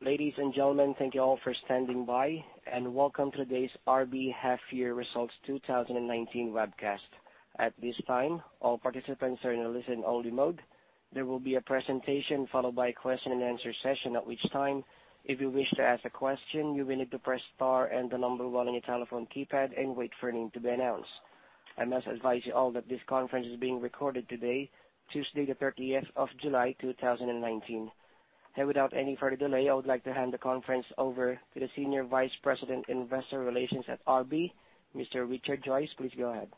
Ladies and gentlemen, thank you all for standing by, welcome to today's RB Half Year Results 2019 webcast. At this time, all participants are in a listen-only mode. There will be a presentation followed by a question-and-answer session, at which time, if you wish to ask a question, you will need to press star and the number while in your telephone keypad and wait for your name to be announced. I must advise you all that this conference is being recorded today, Tuesday the 30th of July, 2019. Without any further delay, I would like to hand the conference over to the Senior Vice President Investor Relations at RB, Mr. Richard Joyce. Please go ahead.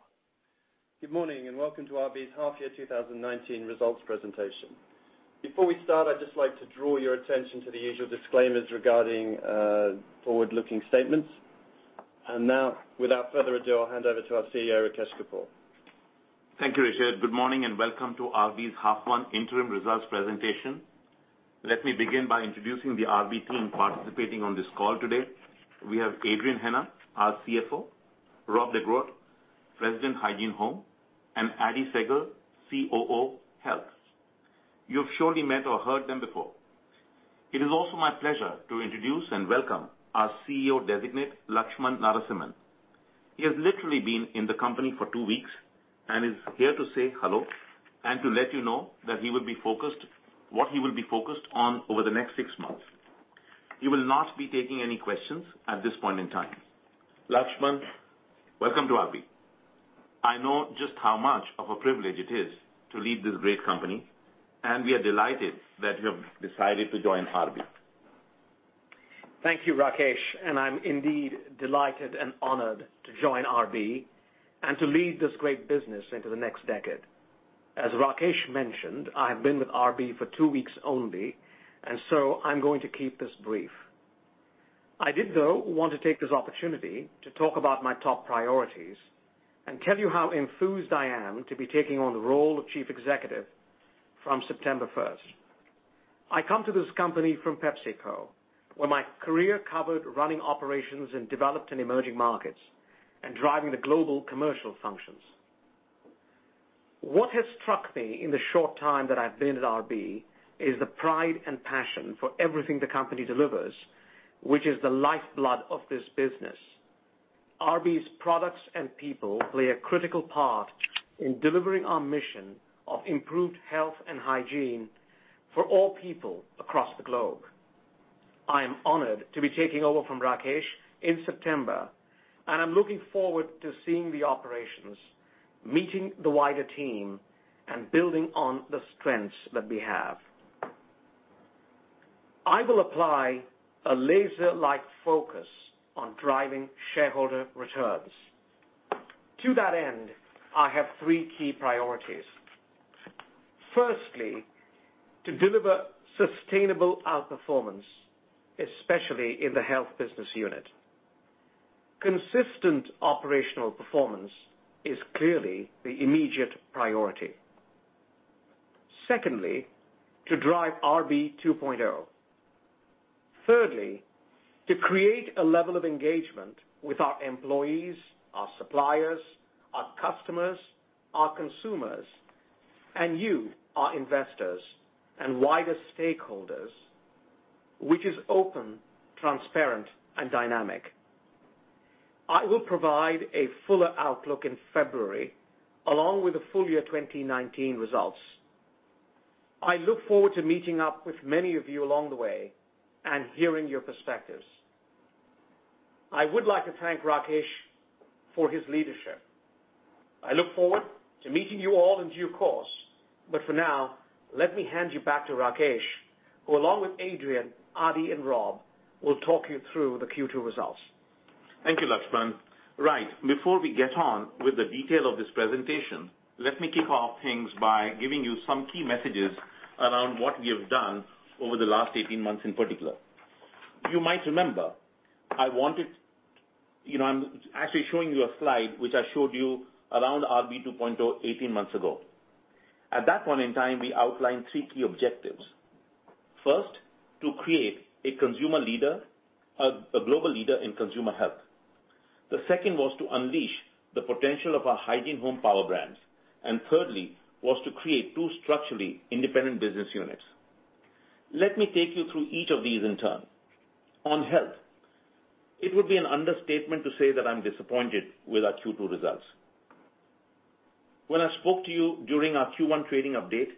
Good morning, welcome to RB's Half Year 2019 results presentation. Before we start, I'd just like to draw your attention to the usual disclaimers regarding forward-looking statements. Now, without further ado, I'll hand over to our CEO, Rakesh Kapoor. Thank you, Richard. Good morning and welcome to RB's half one interim results presentation. Let me begin by introducing the RB team participating on this call today. We have Adi Hennah, our CFO, Rob de Groot, President, Hygiene Home, and Adi Sehgal, COO, Health. You have surely met or heard them before. It is also my pleasure to introduce and welcome our CEO designate, Laxman Narasimhan. He has literally been in the company for two weeks and is here to say hello and to let you know what he will be focused on over the next six months. He will not be taking any questions at this point in time. Laxman, welcome to RB. I know just how much of a privilege it is to lead this great company, and we are delighted that you have decided to join RB. Thank you, Rakesh. I'm indeed delighted and honored to join RB and to lead this great business into the next decade. As Rakesh mentioned, I have been with RB for two weeks only. I'm going to keep this brief. I did, though, want to take this opportunity to talk about my top priorities and tell you how enthused I am to be taking on the role of Chief Executive from September 1st. I come to this company from PepsiCo, where my career covered running operations in developed and emerging markets and driving the global commercial functions. What has struck me in the short time that I've been at RB is the pride and passion for everything the company delivers, which is the lifeblood of this business. RB's products and people play a critical part in delivering our mission of improved health and hygiene for all people across the globe. I am honoured to be taking over from Rakesh in September, and I'm looking forward to seeing the operations, meeting the wider team, and building on the strengths that we have. I will apply a laser-like focus on driving shareholder returns. To that end, I have three key priorities. Firstly, to deliver sustainable outperformance, especially in the health business unit. Consistent operational performance is clearly the immediate priority. Secondly, to drive RB two point zero. Thirdly, to create a level of engagement with our employees, our suppliers, our customers, our consumers, and you, our investors and wider stakeholders, which is open, transparent, and dynamic. I will provide a fuller outlook in February, along with the full year 2019 results. I look forward to meeting up with many of you along the way and hearing your perspectives. I would like to thank Rakesh for his leadership. I look forward to meeting you all in due course, but for now, let me hand you back to Rakesh, who along with Adrian, Adi, and Rob, will talk you through the Q2 results. Thank you, Laxman. Right, before we get on with the detail of this presentation, let me kick off things by giving you some key messages around what we have done over the last 18 months in particular. You might remember, I'm actually showing you a slide which I showed you around RB two point zero 18 months ago. At that point in time, we outlined three key objectives. First, to create a global leader in consumer Health. The second was to unleash the potential of our Hygiene Home power brands, and thirdly was to create two structurally independent business units. Let me take you through each of these in turn. On Health, it would be an understatement to say that I'm disappointed with our Q2 results. When I spoke to you during our Q1 trading update,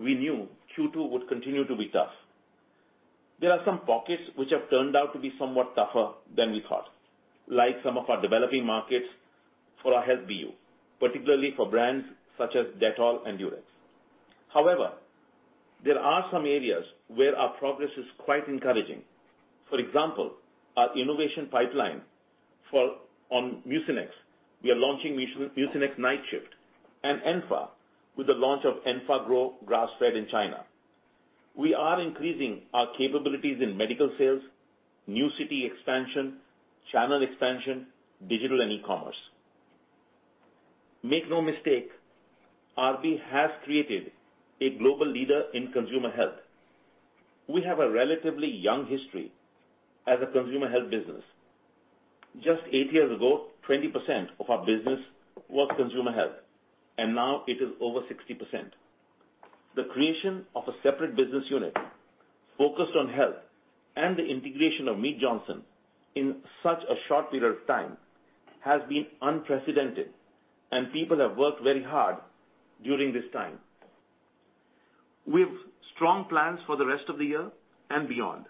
we knew Q2 would continue to be tough. There are some pockets which have turned out to be somewhat tougher than we thought, like some of our developing markets for our Health BU, particularly for brands such as Dettol and Durex. However, there are some areas where our progress is quite encouraging. For example, our innovation pipeline on Mucinex. We are launching Mucinex Nightshift and Enfa with the launch of Enfagrow Grass Fed in China. We are increasing our capabilities in medical sales, new city expansion, channel expansion, digital and e-commerce. Make no mistake, RB has created a global leader in consumer health. We have a relatively young history as a consumer health business. Just eight years ago, 20% of our business was consumer health, and now it is over 60%. The creation of a separate business unit focused on health and the integration of Mead Johnson in such a short period of time has been unprecedented, and people have worked very hard during this time. We have strong plans for the rest of the year and beyond.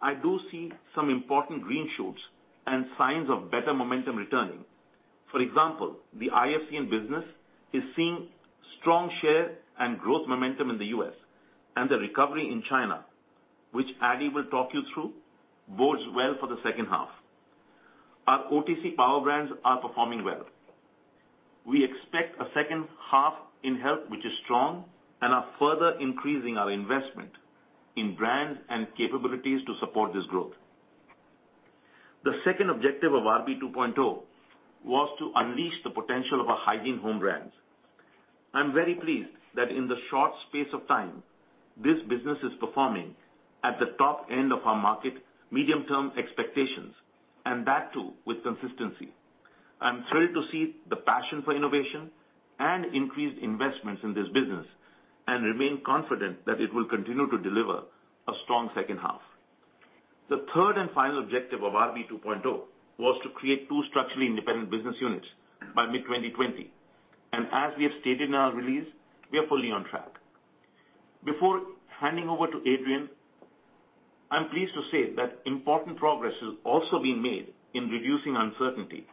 I do see some important green shoots and signs of better momentum returning. For example, the IFCN business is seeing strong share and growth momentum in the U.S., and the recovery in China, which Adi will talk you through, bodes well for the H2. Our OTC power brands are performing well. We expect a H2 in health which is strong and are further increasing our investment in brands and capabilities to support this growth. The second objective of RB two point zero was to unleash the potential of our Hygiene Home brands. I'm very pleased that in the short space of time, this business is performing at the top end of our market, medium-term expectations, and that too with consistency. I'm thrilled to see the passion for innovation and increased investments in this business and remain confident that it will continue to deliver a strong H2. The third and final objective of RB two point zero was to create two structurally independent business units by mid-2020, and as we have stated in our release, we are fully on track. Before handing over to Adrian, I'm pleased to say that important progress has also been made in reducing uncertainty.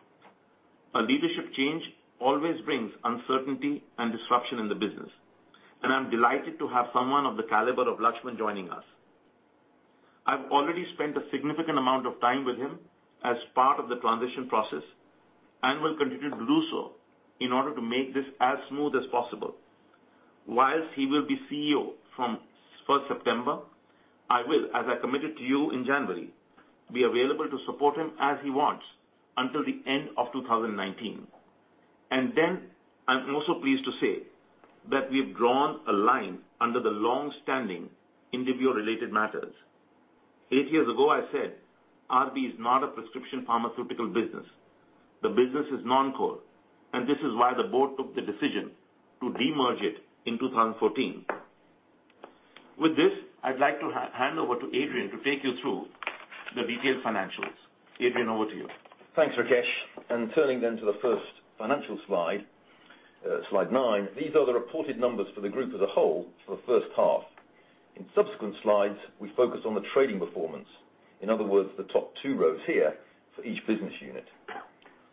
A leadership change always brings uncertainty and disruption in the business, and I'm delighted to have someone of the caliber of Laxman joining us. I've already spent a significant amount of time with him as part of the transition process and will continue to do so in order to make this as smooth as possible. Whilst he will be CEO from 1st September, I will, as I committed to you in January, be available to support him as he wants until the end of 2019. And then I'm also pleased to say that we've drawn a line under the long-standing Indivior-related matters. Eight years ago, I said RB is not a prescription pharmaceutical business. The business is non-core, and this is why the board took the decision to de-merge it in 2014. With this, I'd like to hand over to Adrian to take you through the detailed financials. Adrian, over to you. Thanks, Rakesh. Turning then to the first financial slide nine, these are the reported numbers for the group as a whole for the H1. In subsequent slides, we focus on the trading performance. In other words, the top two rows here for each business unit.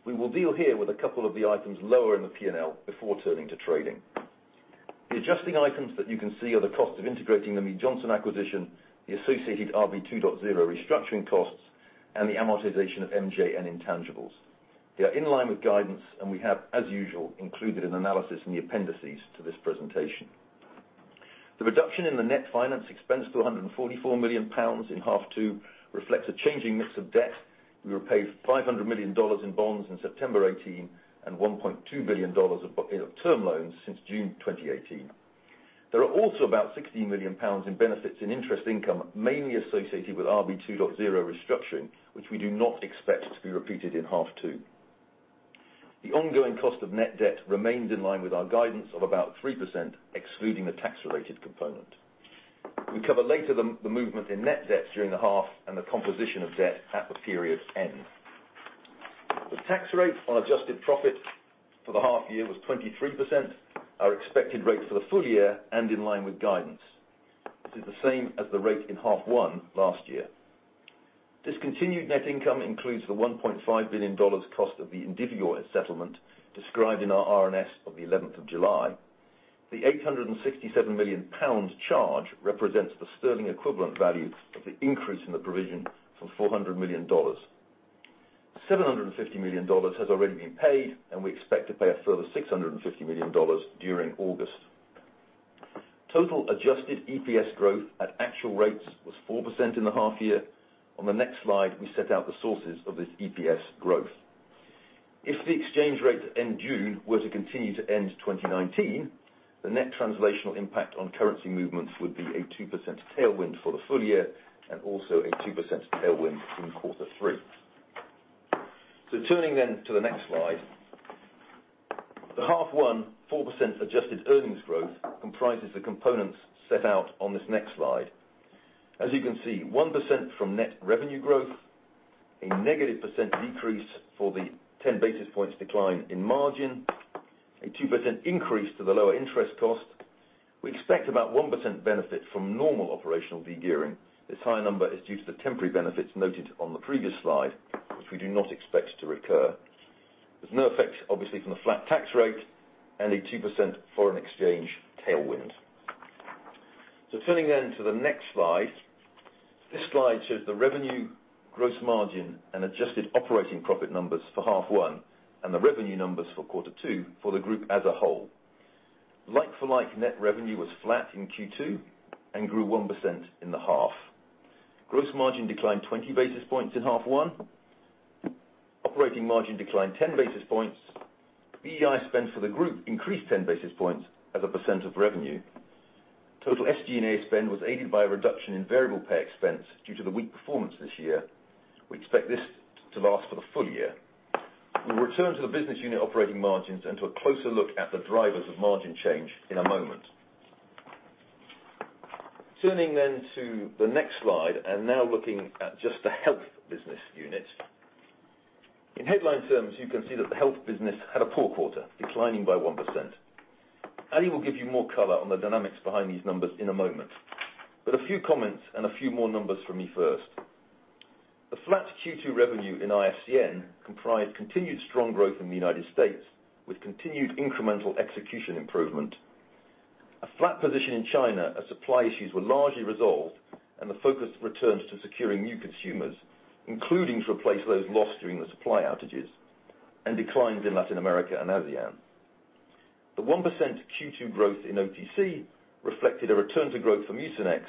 We will deal here with a couple of the items lower in the P&L before turning to trading. The adjusting items that you can see are the cost of integrating the Mead Johnson acquisition, the associated RB two point zero restructuring costs, and the amortization of MJN intangibles. They are in line with guidance, and we have, as usual, included an analysis in the appendices to this presentation. The reduction in the net finance expense to GBP 144 million in half two reflects a changing mix of debt. We repaid $500 million in bonds in September 2018 and $1.2 billion of term loans since June 2018. There are also about GBP 16 million in benefits in interest income, mainly associated with RB two point zero restructuring, which we do not expect to be repeated in half two. The ongoing cost of net debt remains in line with our guidance of about 3%, excluding the tax-related component. We cover later the movement in net debt during the half and the composition of debt at the period's end. The tax rate on adjusted profit for the half year was 23%, our expected rate for the full year, and in line with guidance. This is the same as the rate in half one last year. Discontinued net income includes the $1.5 billion cost of the Indivior settlement described in our RNS on the 11th of July. The 867 million pound charge represents the sterling equivalent value of the increase in the provision from $400 million. GBP 750 million has already been paid, and we expect to pay a further GBP 650 million during August. Total adjusted EPS growth at actual rates was 4% in the half year. On the next slide, we set out the sources of this EPS growth. If the exchange rate in June were to continue to end 2019, the net translational impact on currency movements would be a 2% tailwind for the full year and also a 2% tailwind in quarter three. Turning then to the next slide. The half one 4% adjusted earnings growth comprises the components set out on this next slide. As you can see, 1% from net revenue growth, a negative % decrease for the 10 basis points decline in margin, a 2% increase to the lower interest cost. We expect about 1% benefit from normal operational de-gearing. This high number is due to the temporary benefits noted on the previous slide, which we do not expect to recur. There's no effect, obviously, from the flat tax rate and a 2% foreign exchange tailwind. Turning then to the next slide. This slide shows the revenue gross margin and adjusted operating profit numbers for half one and the revenue numbers for quarter two for the group as a whole. Like for like, net revenue was flat in Q2 and grew 1% in the half. Gross margin declined 20 basis points in half one. Operating margin declined 10 basis points. BEI spend for the group increased 10 basis points as a % of revenue. Total SG&A spend was aided by a reduction in variable pay expense due to the weak performance this year. We expect this to last for the full year. We'll return to the business unit operating margins and to a closer look at the drivers of margin change in a moment. Turning then to the next slide, and now looking at just the RB Health business unit. In headline terms, you can see that RB Health had a poor quarter, declining by 1%. Adi will give you more color on the dynamics behind these numbers in a moment, but a few comments and a few more numbers from me first. The flat Q2 revenue in IFCN comprised continued strong growth in the U.S. with continued incremental execution improvement. A flat position in China as supply issues were largely resolved and the focus returns to securing new consumers, including to replace those lost during the supply outages, and declines in Latin America and ASEAN. The 1% Q2 growth in OTC reflected a return to growth for Mucinex,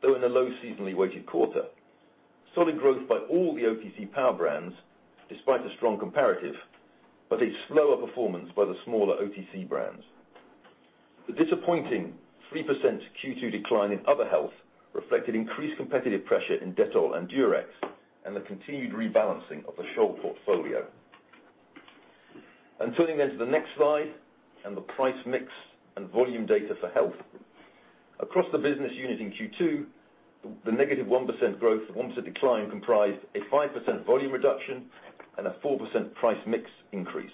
though in a low seasonally weighted quarter. Solid growth by all the OTC power brands, despite a strong comparative, but a slower performance by the smaller OTC brands. The disappointing 3% Q2 decline in other health reflected increased competitive pressure in Dettol and Durex, and the continued rebalancing of the Scholl portfolio. Turning then to the next slide and the price mix and volume data for health. Across the business unit in Q2, the negative 1% growth, 1% decline comprised a 5% volume reduction and a 4% price mix increase.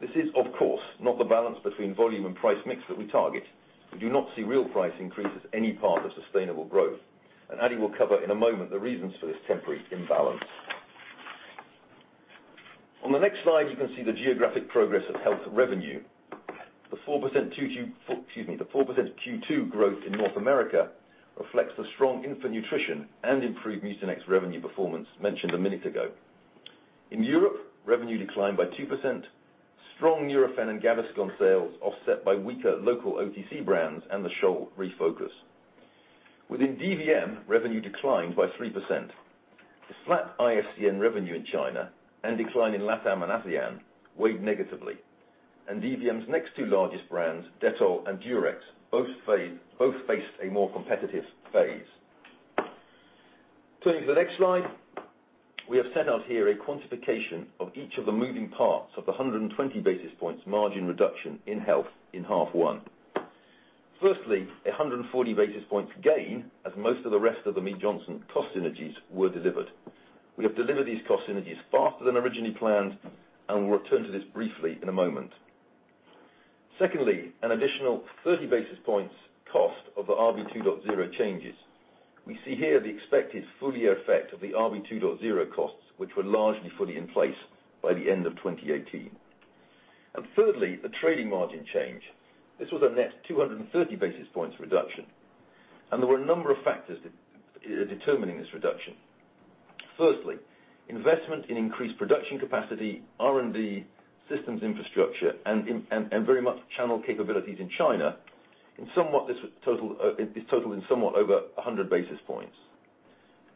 This is, of course, not the balance between volume and price mix that we target. We do not see real price increases any part of sustainable growth, and Adrian will cover in a moment the reasons for this temporary imbalance. On the next slide, you can see the geographic progress of health revenue. The 4% Q2 growth in North America reflects the strong infant nutrition and improved Mucinex revenue performance mentioned a minute ago. In Europe, revenue declined by 2%. Strong Nurofen and Gaviscon sales offset by weaker local OTC brands and the Scholl refocus. Within DVM, revenue declined by 3%. The flat IFCN revenue in China and decline in LATAM and ASEAN weighed negatively. DVM's next two largest brands, Dettol and Durex, both faced a more competitive phase. Turning to the next slide. We have set out here a quantification of each of the moving parts of the 120 basis points margin reduction in health in half one. Firstly, 140 basis points gain, as most of the rest of the Mead Johnson cost synergies were delivered. We have delivered these cost synergies faster than originally planned, and we'll return to this briefly in a moment. Secondly, an additional 30 basis points cost of the RB two point zero changes. We see here the expected full year effect of the RB two point zero costs, which were largely fully in place by the end of 2018. Thirdly, the trading margin change. This was a net 230 basis points reduction, and there were a number of factors determining this reduction. Firstly, investment in increased production capacity, R&D systems infrastructure, and very much channel capabilities in China. This total is somewhat over 100 basis points.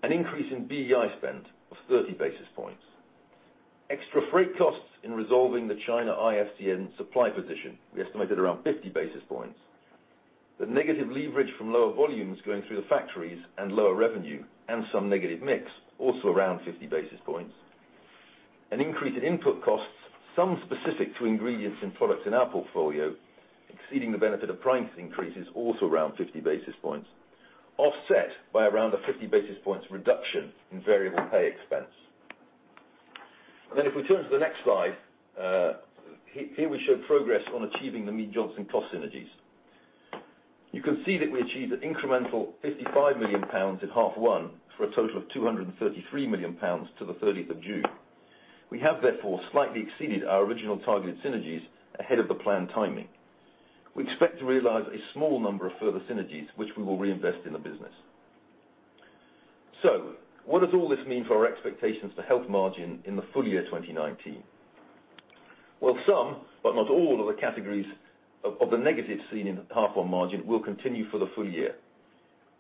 An increase in BEI spend of 30 basis points. Extra freight costs in resolving the China IFCN supply position. We estimated around 50 basis points. The negative leverage from lower volumes going through the factories and lower revenue and some negative mix, also around 50 basis points. An increase in input costs, some specific to ingredients and products in our portfolio, exceeding the benefit of price increases, also around 50 basis points, offset by around a 50 basis points reduction in variable pay expense. If we turn to the next slide. Here we show progress on achieving the Mead Johnson cost synergies. You can see that we achieved an incremental 55 million pounds in half one for a total of 233 million pounds to the 30th of June. We have therefore slightly exceeded our original targeted synergies ahead of the planned timing. We expect to realize a small number of further synergies, which we will reinvest in the business. What does all this mean for our expectations for Health margin in the full year 2019? Well, some, but not all of the categories of the negatives seen in the half one margin will continue for the full year.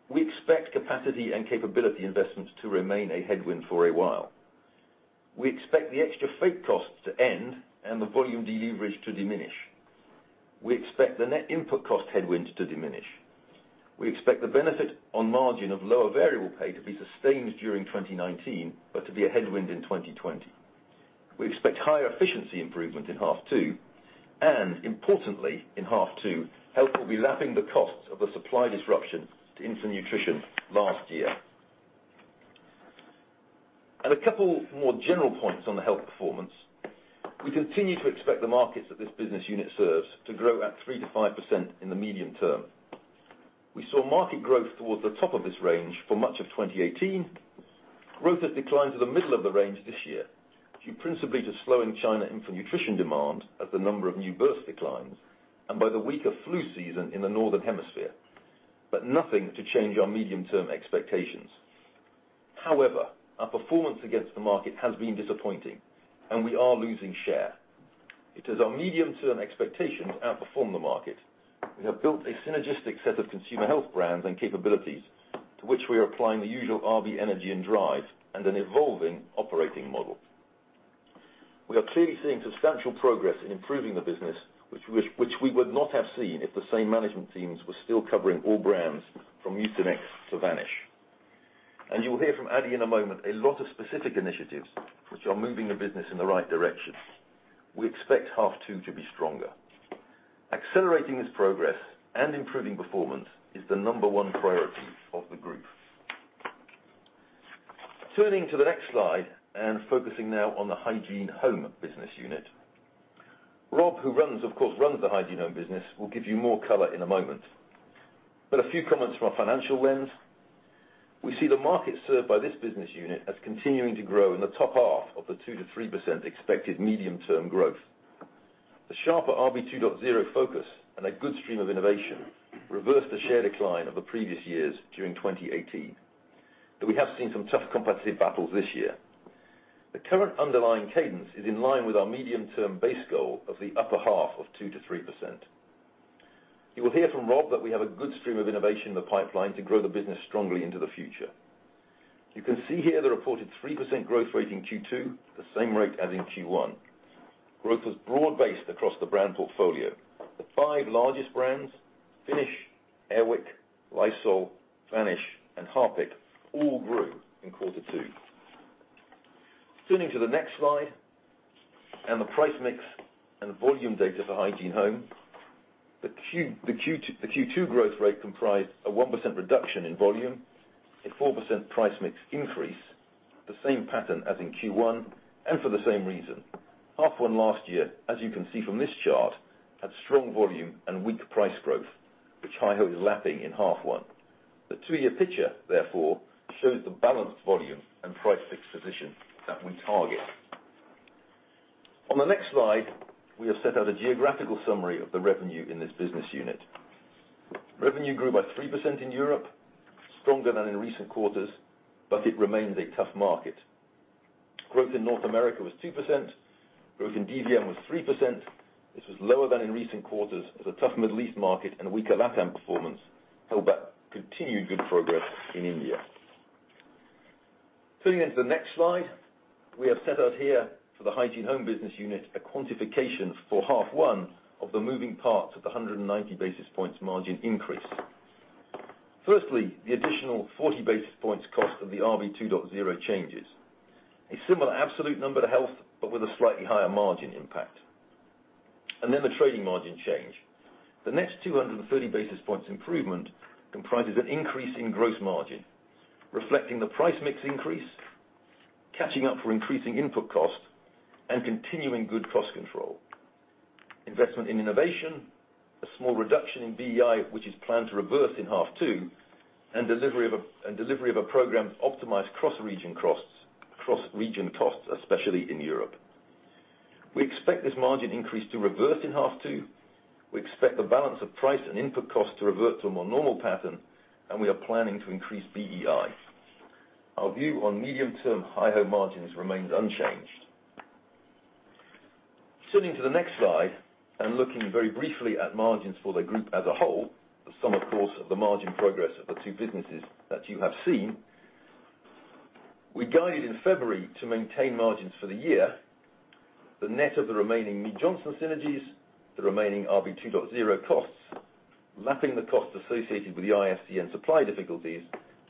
We expect capacity and capability investments to remain a headwind for a while. We expect the extra freight costs to end and the volume deleverage to diminish. We expect the net input cost headwinds to diminish. We expect the benefit on margin of lower variable pay to be sustained during 2019, but to be a headwind in 2020. We expect higher efficiency improvement in half two. Importantly, in half two, Health will be lapping the costs of the supply disruption to infant nutrition last year. A couple more general points on the Health performance. We continue to expect the markets that this business unit serves to grow at 3% to 5% in the medium term. We saw market growth towards the top of this range for much of 2018. Growth has declined to the middle of the range this year, due principally to slowing China infant nutrition demand as the number of new births declines and by the weaker flu season in the Northern Hemisphere, but nothing to change our medium-term expectations. However, our performance against the market has been disappointing, and we are losing share. It is our medium-term expectation to outperform the market. We have built a synergistic set of consumer health brands and capabilities to which we are applying the usual RB energy and drive and an evolving operating model. We are clearly seeing substantial progress in improving the business, which we would not have seen if the same management teams were still covering all brands from Mucinex to Vanish. You will hear from Adi in a moment a lot of specific initiatives which are moving the business in the right direction. We expect half two to be stronger. Accelerating this progress and improving performance is the number one priority of the group. Turning to the next slide and focusing now on the Hygiene Home business unit. Rob, who of course, runs the Hygiene Home business, will give you more color in a moment. A few comments from a financial lens. We see the market served by this business unit as continuing to grow in the top half of the 2% to 3% expected medium-term growth. The sharper RB two point zero focus and a good stream of innovation reversed the share decline of the previous years during 2018. We have seen some tough competitive battles this year. The current underlying cadence is in line with our medium-term base goal of the upper half of 2% to 3%. You will hear from Rob that we have a good stream of innovation in the pipeline to grow the business strongly into the future. You can see here the reported 3% growth rate in Q2, the same rate as in Q1. Growth was broad-based across the brand portfolio. The five largest brands, Finish, Air Wick, Lysol, Vanish, and Harpic, all grew in quarter two. Turning to the next slide, and the price mix and volume data for Hygiene Home. The Q2 growth rate comprised a 1% reduction in volume, a 4% price mix increase, the same pattern as in Q1, and for the same reason. Half one last year, as you can see from this chart, had strong volume and weak price growth, which I hope is lapping in half one. The two-year picture, therefore, shows the balanced volume and price mix position that we target. On the next slide, we have set out a geographical summary of the revenue in this business unit. Revenue grew by 3% in Europe, stronger than in recent quarters, but it remains a tough market. Growth in North America was 2%. Growth in DVM was 3%. This was lower than in recent quarters as a tough Middle East market and weaker LATAM performance held back continued good progress in India. Turning into the next slide, we have set out here for the Hygiene Home business unit, a quantification for half one of the moving parts of the 190 basis points margin increase. Firstly the additional 40 basis points cost of the RB two point zero changes. A similar absolute number to Health, with a slightly higher margin impact. The trading margin change. The next 230 basis points improvement comprises an increase in gross margin, reflecting the price mix increase, catching up for increasing input cost, and continuing good cost control. Investment in innovation, a small reduction in BEI, which is planned to reverse in half two, and delivery of a program to optimize cross-region costs, especially in Europe. We expect this margin increase to reverse in half two. We expect the balance of price and input cost to revert to a more normal pattern, we are planning to increase BEI. Our view on medium-term HyHo margins remains unchanged. Turning to the next slide, looking very briefly at margins for the group as a whole, the sum, of course, of the margin progress of the two businesses that you have seen. We guided in February to maintain margins for the year. The net of the remaining Mead Johnson synergies, the remaining RB two point zero costs, lapping the costs associated with the IFCN supply difficulties,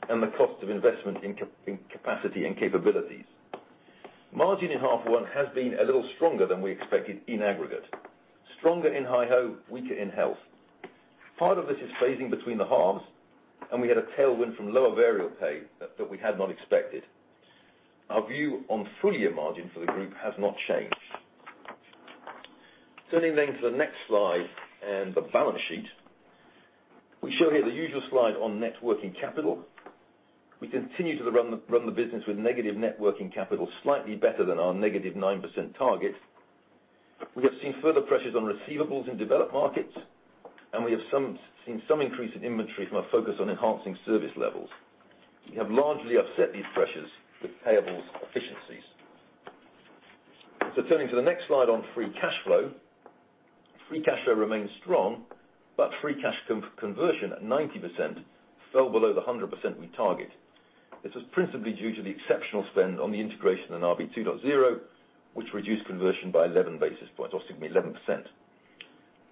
and the cost of investment in capacity and capabilities. Margin in half one has been a little stronger than we expected in aggregate. Stronger in HyHo, weaker in Health. Part of this is phasing between the halves, we had a tailwind from lower variable pay that we had not expected. Our view on full year margin for the group has not changed. Turning to the next slide and the balance sheet. We show here the usual slide on net working capital. We continue to run the business with negative net working capital slightly better than our -9% target. We have seen further pressures on receivables in developed markets, and we have seen some increase in inventory from a focus on enhancing service levels. We have largely upset these pressures with payables efficiencies. Turning to the next slide on free cash flow. Free cash flow remains strong, but free cash conversion at 90% fell below the 100% we target. This is principally due to the exceptional spend on the integration in RB two point zero, which reduced conversion by 11 basis points, or excuse me, 11%.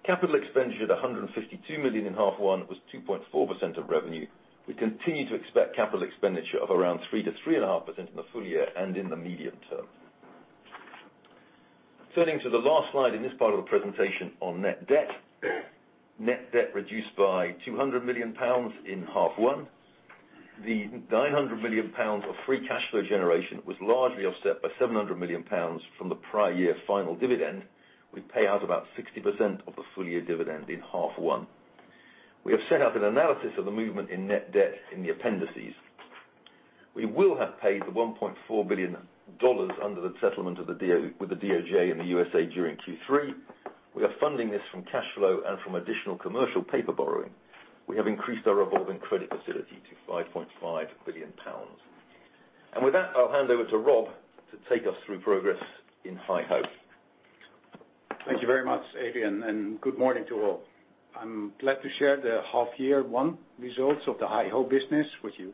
Capital expenditure 152 million in half one was 2.4% of revenue. We continue to expect capital expenditure of around 3% to 3.5% in the full year and in the medium term. Turning to the last slide in this part of the presentation on net debt. Net debt reduced by 200 million pounds in half one. The 900 million pounds of free cash flow generation was largely offset by 700 million pounds from the prior year final dividend. We pay out about 60% of the full-year dividend in half one. We have set out an analysis of the movement in net debt in the appendices. We will have paid the $1.4 billion under the settlement with the DOJ in the U.S.A. during Q3. We are funding this from cash flow and from additional commercial paper borrowing. We have increased our revolving credit facility to 5.5 billion pounds. With that, I'll hand over to Rob to take us through progress in Hyho. Thank you very much, Adrian, and good morning to all. I'm glad to share the half year one results of the HyHo business with you.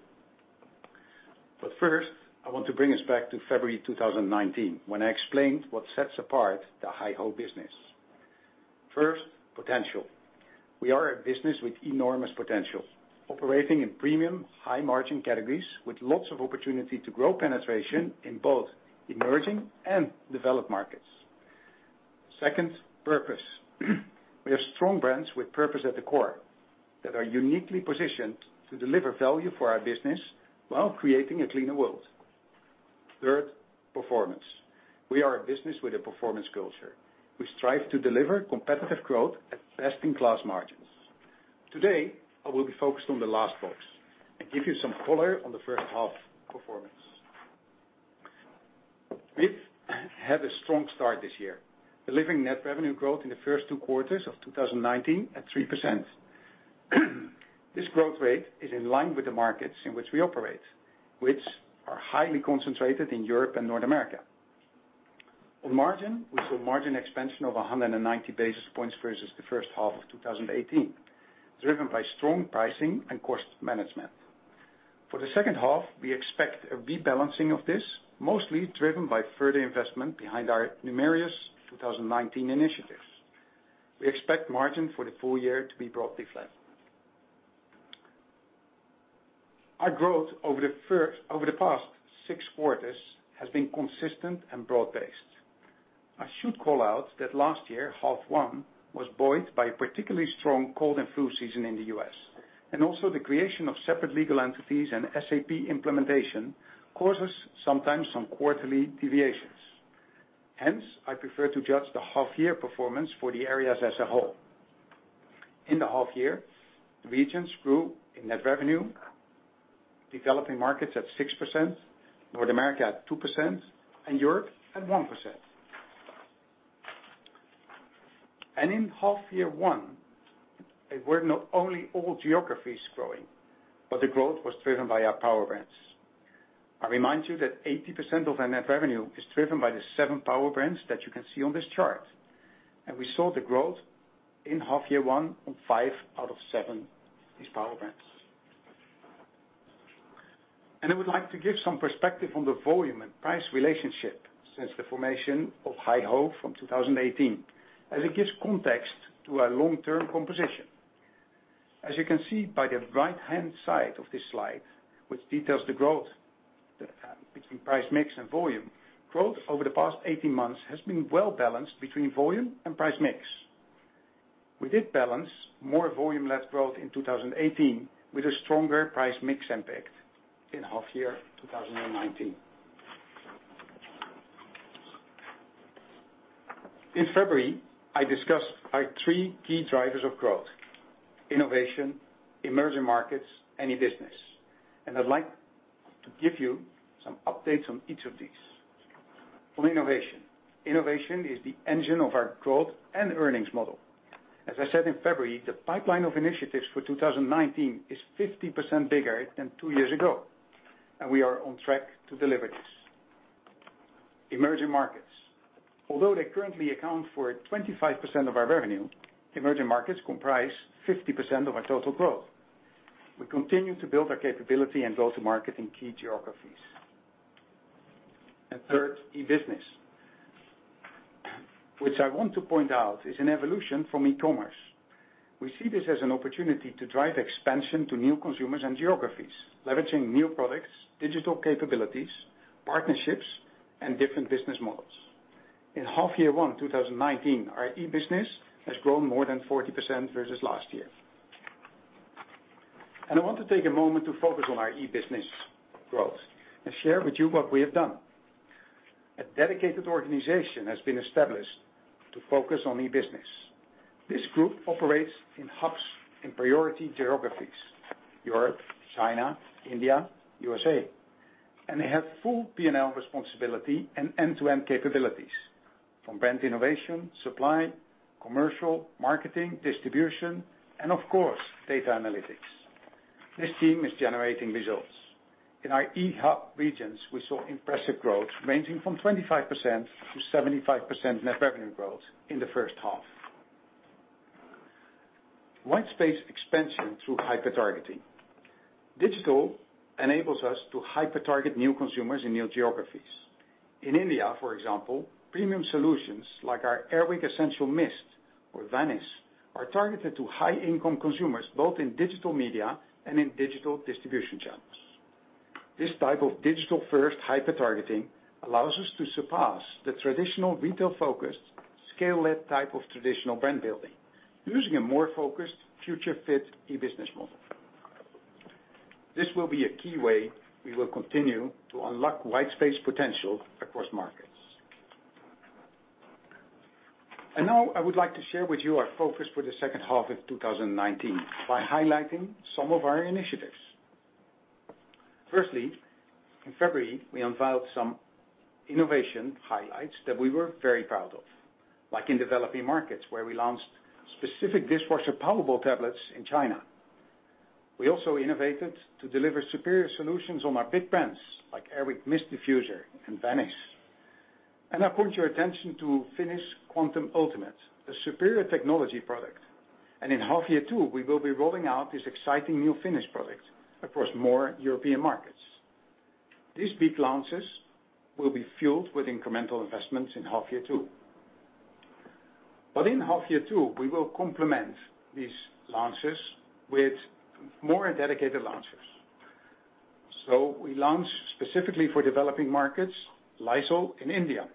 First, I want to bring us back to February 2019, when I explained what sets apart the HyHo business. First, potential. We are a business with enormous potential, operating in premium, high margin categories, with lots of opportunity to grow penetration in both emerging and developed markets. Second, purpose. We are strong brands with purpose at the core that are uniquely positioned to deliver value for our business while creating a cleaner world. Third, performance. We are a business with a performance culture. We strive to deliver competitive growth at best-in-class margins. Today, I will be focused on the last box and give you some color on the H1 performance. We've had a strong start this year, delivering net revenue growth in the first two quarters of 2019 at 3%. This growth rate is in line with the markets in which we operate, which are highly concentrated in Europe and North America. On margin, we saw margin expansion of 190 basis points versus the H1 of 2018, driven by strong pricing and cost management. For the H2, we expect a rebalancing of this, mostly driven by further investment behind our numerous 2019 initiatives. We expect margin for the full year to be broadly flat. Our growth over the past six quarters has been consistent and broad-based. I should call out that last year, half one was buoyed by a particularly strong cold and flu season in the U.S., and also the creation of separate legal entities and SAP implementation causes sometimes some quarterly deviations. Hence, I prefer to judge the half year performance for the areas as a whole. In the half year, the regions grew in net revenue, developing markets at 6%, North America at 2%, and Europe at 1%. In half year one, there were not only all geographies growing, but the growth was driven by our power brands. I remind you that 80% of our net revenue is driven by the seven power brands that you can see on this chart. We saw the growth in half year one on five out of seven these power brands. I would like to give some perspective on the volume and price relationship since the formation of HyHo from 2018, as it gives context to our long-term composition. As you can see by the right-hand side of this slide, which details the growth between price mix and volume, growth over the past 18 months has been well-balanced between volume and price mix. We did balance more volume-led growth in 2018 with a stronger price mix impact in half year 2019. In February, I discussed our three key drivers of growth, innovation, emerging markets, and e-business. I'd like to give you some updates on each of these. On innovation. Innovation is the engine of our growth and earnings model. As I said in February, the pipeline of initiatives for 2019 is 50% bigger than two years ago, and we are on track to deliver this. Emerging markets. Although they currently account for 25% of our revenue, emerging markets comprise 50% of our total growth. We continue to build our capability and go to market in key geographies. Third, e-business, which I want to point out is an evolution from e-commerce. We see this as an opportunity to drive expansion to new consumers and geographies, leveraging new products, digital capabilities, partnerships, and different business models. In half year one of 2019, our e-business has grown more than 40% versus last year. I want to take a moment to focus on our e-business growth and share with you what we have done. A dedicated organization has been established to focus on e-business. This group operates in hubs in priority geographies, Europe, China, India, U.S.A., and they have full P&L responsibility and end-to-end capabilities from brand innovation, supply, commercial, marketing, distribution, and of course, data analytics. This team is generating results. In our e-hub regions, we saw impressive growth ranging from 25% to 75% net revenue growth in the H1. Whitespace expansion through hyper targeting. Digital enables us to hyper target new consumers in new geographies. In India, for example, premium solutions like our Air Wick Essential Mist or Vanish are targeted to high-income consumers, both in digital media and in digital distribution channels. This type of digital-first hyper targeting allows us to surpass the traditional retail-focused, scale-led type of traditional brand building, using a more focused, future-fit e-business model. This will be a key way we will continue to unlock whitespace potential across markets. Now I would like to share with you our focus for the H2 of 2019 by highlighting some of our initiatives. Firstly, in February, we unveiled some innovation highlights that we were very proud of, like in developing markets where we launched specific dishwasher Finish Powerball tablets in China. We also innovated to deliver superior solutions on our big brands, like Air Wick Essential Mist Diffuser and Vanish. I point your attention to Finish Quantum Ultimate, a superior technology product. In half year two, we will be rolling out this exciting new Finish product across more European markets. These big launches will be fueled with incremental investments in half year two. In half year two, we will complement these launches with more dedicated launches. We launch specifically for developing markets, Lysol in India.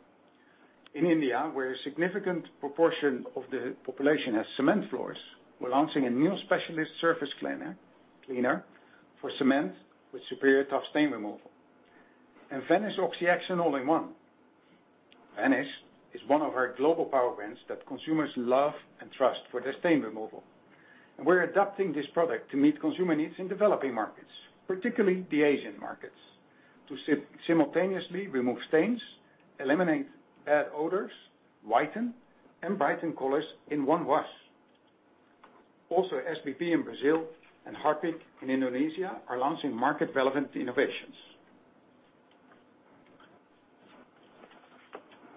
In India, where a significant proportion of the population has cement floors, we're launching a new specialist surface cleaner, for cement with superior tough stain removal. Vanish Oxi Action All in One. Vanish is one of our global power brands that consumers love and trust for their stain removal. We're adapting this product to meet consumer needs in developing markets, particularly the Asian markets, to simultaneously remove stains, eliminate bad odors, whiten and brighten colors in one wash. SBP in Brazil and Harpic in Indonesia are launching market-relevant innovations.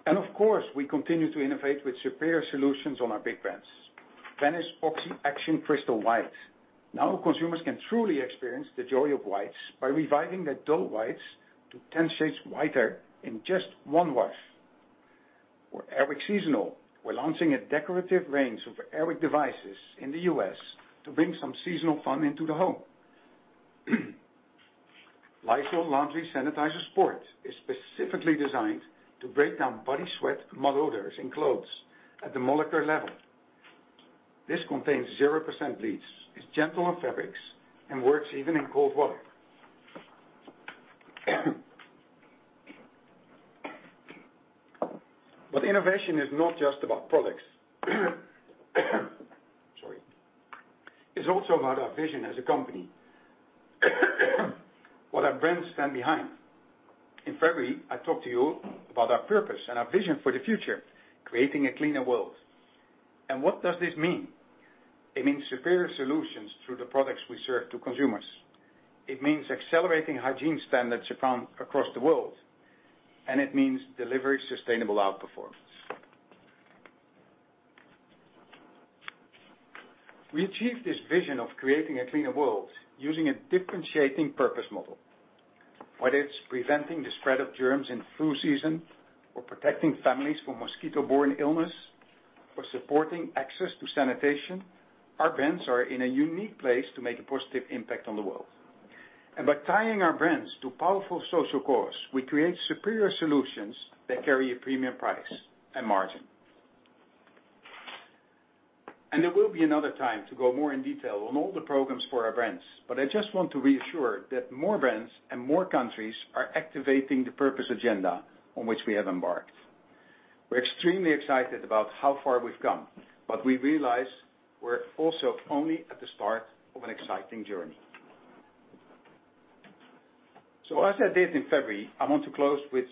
Of course, we continue to innovate with superior solutions on our big brands. Vanish Oxi Action Crystal White. Now consumers can truly experience the joy of whites by reviving their dull whites to 10 shades whiter in just one wash. For Air Wick Seasonal, we're launching a decorative range of Air Wick devices in the U.S. to bring some seasonal fun into the home. Lysol Laundry Sanitizer Sport is specifically designed to break down body sweat and mud odors in clothes at the molecular level. This contains 0% bleaches, is gentle on fabrics, and works even in cold water. Innovation is not just about products, sorry. It's also about our vision as a company, what our brands stand behind. In February, I talked to you about our purpose and our vision for the future, creating a cleaner world. What does this mean? It means superior solutions through the products we serve to consumers. It means accelerating hygiene standards across the world, and it means delivering sustainable outperformance. We achieve this vision of creating a cleaner world using a differentiating purpose model. Whether it's preventing the spread of germs in flu season, or protecting families from mosquito-borne illness, or supporting access to sanitation, our brands are in a unique place to make a positive impact on the world. By tying our brands to powerful social cause, we create superior solutions that carry a premium price and margin. There will be another time to go more in detail on all the programs for our brands, but I just want to reassure that more brands and more countries are activating the purpose agenda on which we have embarked. We're extremely excited about how far we've come, but we realize we're also only at the start of an exciting journey. As I did in February, I want to close with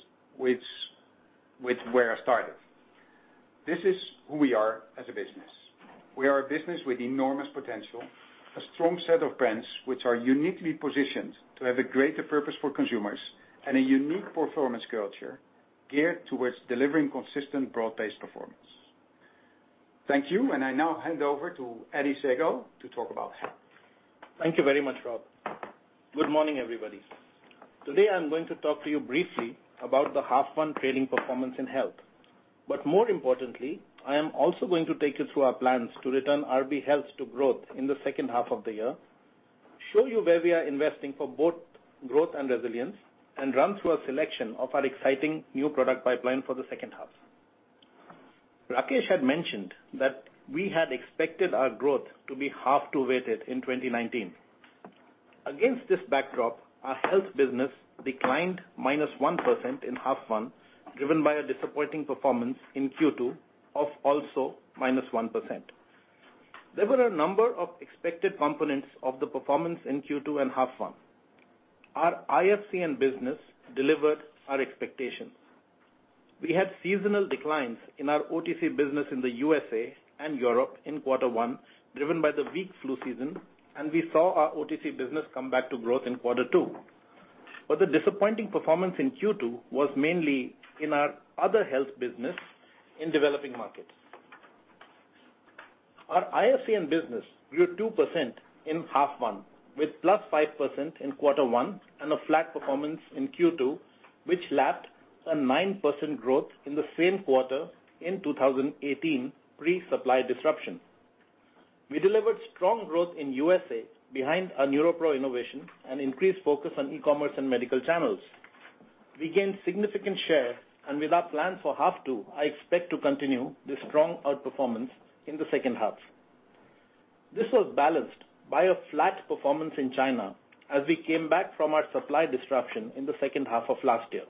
where I started. This is who we are as a business. We are a business with enormous potential, a strong set of brands which are uniquely positioned to have a greater purpose for consumers, and a unique performance culture geared towards delivering consistent broad-based performance. Thank you. I now hand over to Adi Sehgal to talk about Health. Thank you very much, Rob. Good morning, everybody. Today, I'm going to talk to you briefly about the half one trading performance in health. But more importantly, I am also going to take you through our plans to return RB Health to growth to the H2 of the year, show you where we are investing for both growth and resilience, and run through a selection of our exciting new product pipeline for the H2. Rakesh had mentioned that we had expected our growth to be half two weighted in 2019. Against this backdrop, our health business declined -1% in half one, driven by a disappointing performance in Q2 of also -1%. There were a number of expected components of the performance in Q2 and half one. Our IFCN business delivered our expectations. We had seasonal declines in our OTC business in the USA and Europe in quarter one, driven by the weak flu season. We saw our OTC business come back to growth in quarter two. The disappointing performance in Q2 was mainly in our other health business in developing markets. Our IFCN business grew 2% in half one, with +5% in quarter one and a flat performance in Q2, which lapped a 9% growth in the same quarter in 2018, pre-supply disruption. We delivered strong growth in USA behind our NeuroPro innovation and increased focus on e-commerce and medical channels. We gained significant share. With our plan for half two, I expect to continue this strong outperformance in the H2. This was balanced by a flat performance in China as we came back from our supply disruption in the H2 of last year.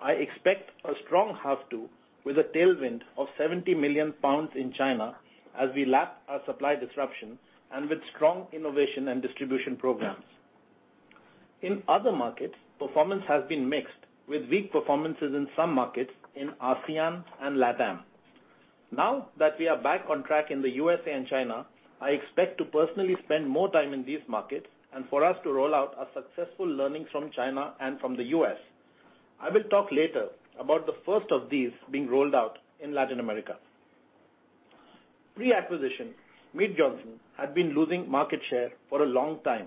I expect a strong half two with a tailwind of 70 million pounds in China as we lap our supply disruption and with strong innovation and distribution programs. In other markets, performance has been mixed, with weak performances in some markets in ASEAN and LATAM. Now that we are back on track in the USA and China, I expect to personally spend more time in these markets and for us to roll out our successful learnings from China and from the U.S. I will talk later about the first of these being rolled out in Latin America. Pre-acquisition, Mead Johnson had been losing market share for a long time.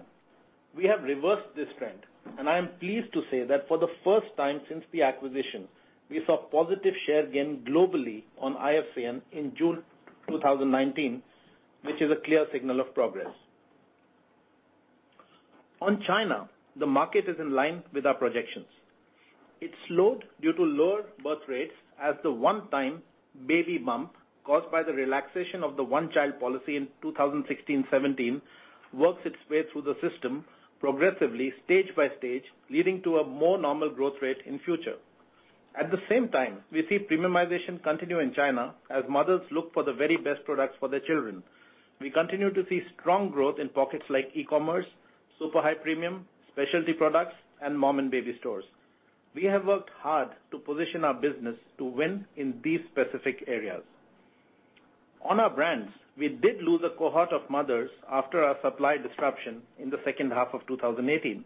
We have reversed this trend, and I am pleased to say that for the first time since the acquisition, we saw positive share gain globally on IFCN in June 2019, which is a clear signal of progress. On China, the market is in line with our projections. It slowed due to lower birth rates as the one-time baby bump caused by the relaxation of the one-child policy in 2016 to 2017 works its way through the system progressively, stage by stage, leading to a more normal growth rate in future. At the same time, we see premiumization continue in China as mothers look for the very best products for their children. We continue to see strong growth in pockets like e-commerce, super high premium, specialty products, and mom-and-baby stores. We have worked hard to position our business to win in these specific areas. On our brands, we did lose a cohort of mothers after our supply disruption in the H2 of 2018,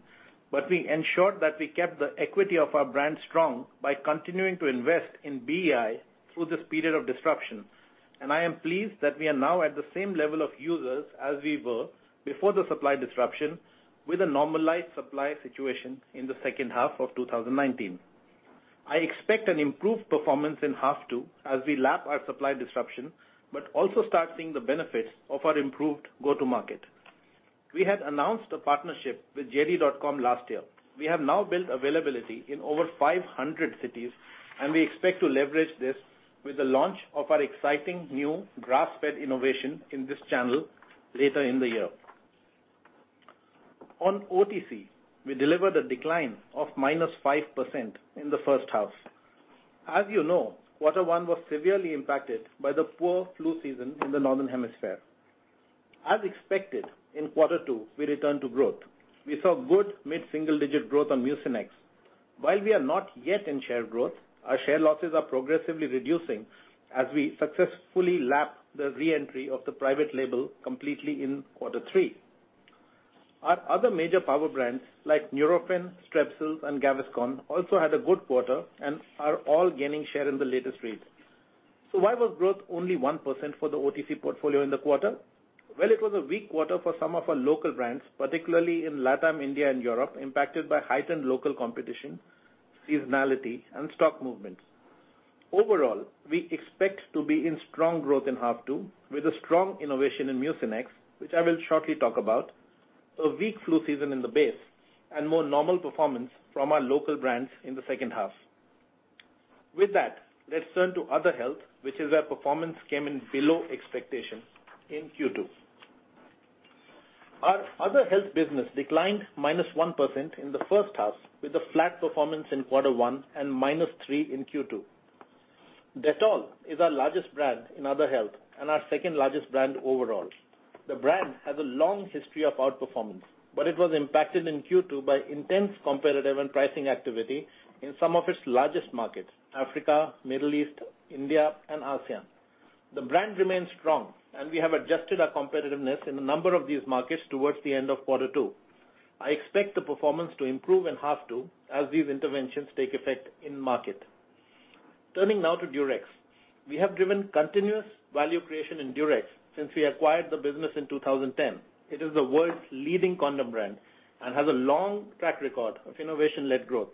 but we ensured that we kept the equity of our brand strong by continuing to invest in BEI through this period of disruption. I am pleased that we are now at the same level of users as we were before the supply disruption with a normalized supply situation in the H2 of 2019. I expect an improved performance in half two as we lap our supply disruption, but also start seeing the benefits of our improved go-to market. We had announced a partnership with JD.com last year. We have now built availability in over 500 cities, and we expect to leverage this with the launch of our exciting new grass-fed innovation in this channel later in the year. On OTC, we delivered a decline of minus 5% in the H1. As you know, quarter one was severely impacted by the poor flu season in the northern hemisphere. As expected, in quarter two, we returned to growth. We saw good mid-single digit growth on Mucinex. While we are not yet in share growth, our share losses are progressively reducing as we successfully lap the re-entry of the private label completely in quarter three. Our other major power brands like Nurofen, Strepsils, and Gaviscon also had a good quarter and are all gaining share in the latest read. Why was growth only 1% for the OTC portfolio in the quarter? Well, it was a weak quarter for some of our local brands, particularly in LATAM, India, and Europe, impacted by heightened local competition, seasonality, and stock movements. Overall, we expect to be in strong growth in half two with a strong innovation in Mucinex, which I will shortly talk about, a weak flu season in the base, and more normal performance from our local brands in the H2. With that, let's turn to Other Health, which is where performance came in below expectations in Q2. Our Other Health business declined minus 1% in the H1, with a flat performance in quarter one and minus three in Q2. Dettol is our largest brand in Other Health and our second-largest brand overall. The brand has a long history of outperformance, but it was impacted in Q2 by intense competitive and pricing activity in some of its largest markets, Africa, Middle East, India, and ASEAN. The brand remains strong, and we have adjusted our competitiveness in a number of these markets towards the end of quarter two. I expect the performance to improve in half two as these interventions take effect in market. Turning now to Durex. We have driven continuous value creation in Durex since we acquired the business in 2010. It is the world's leading condom brand and has a long track record of innovation-led growth.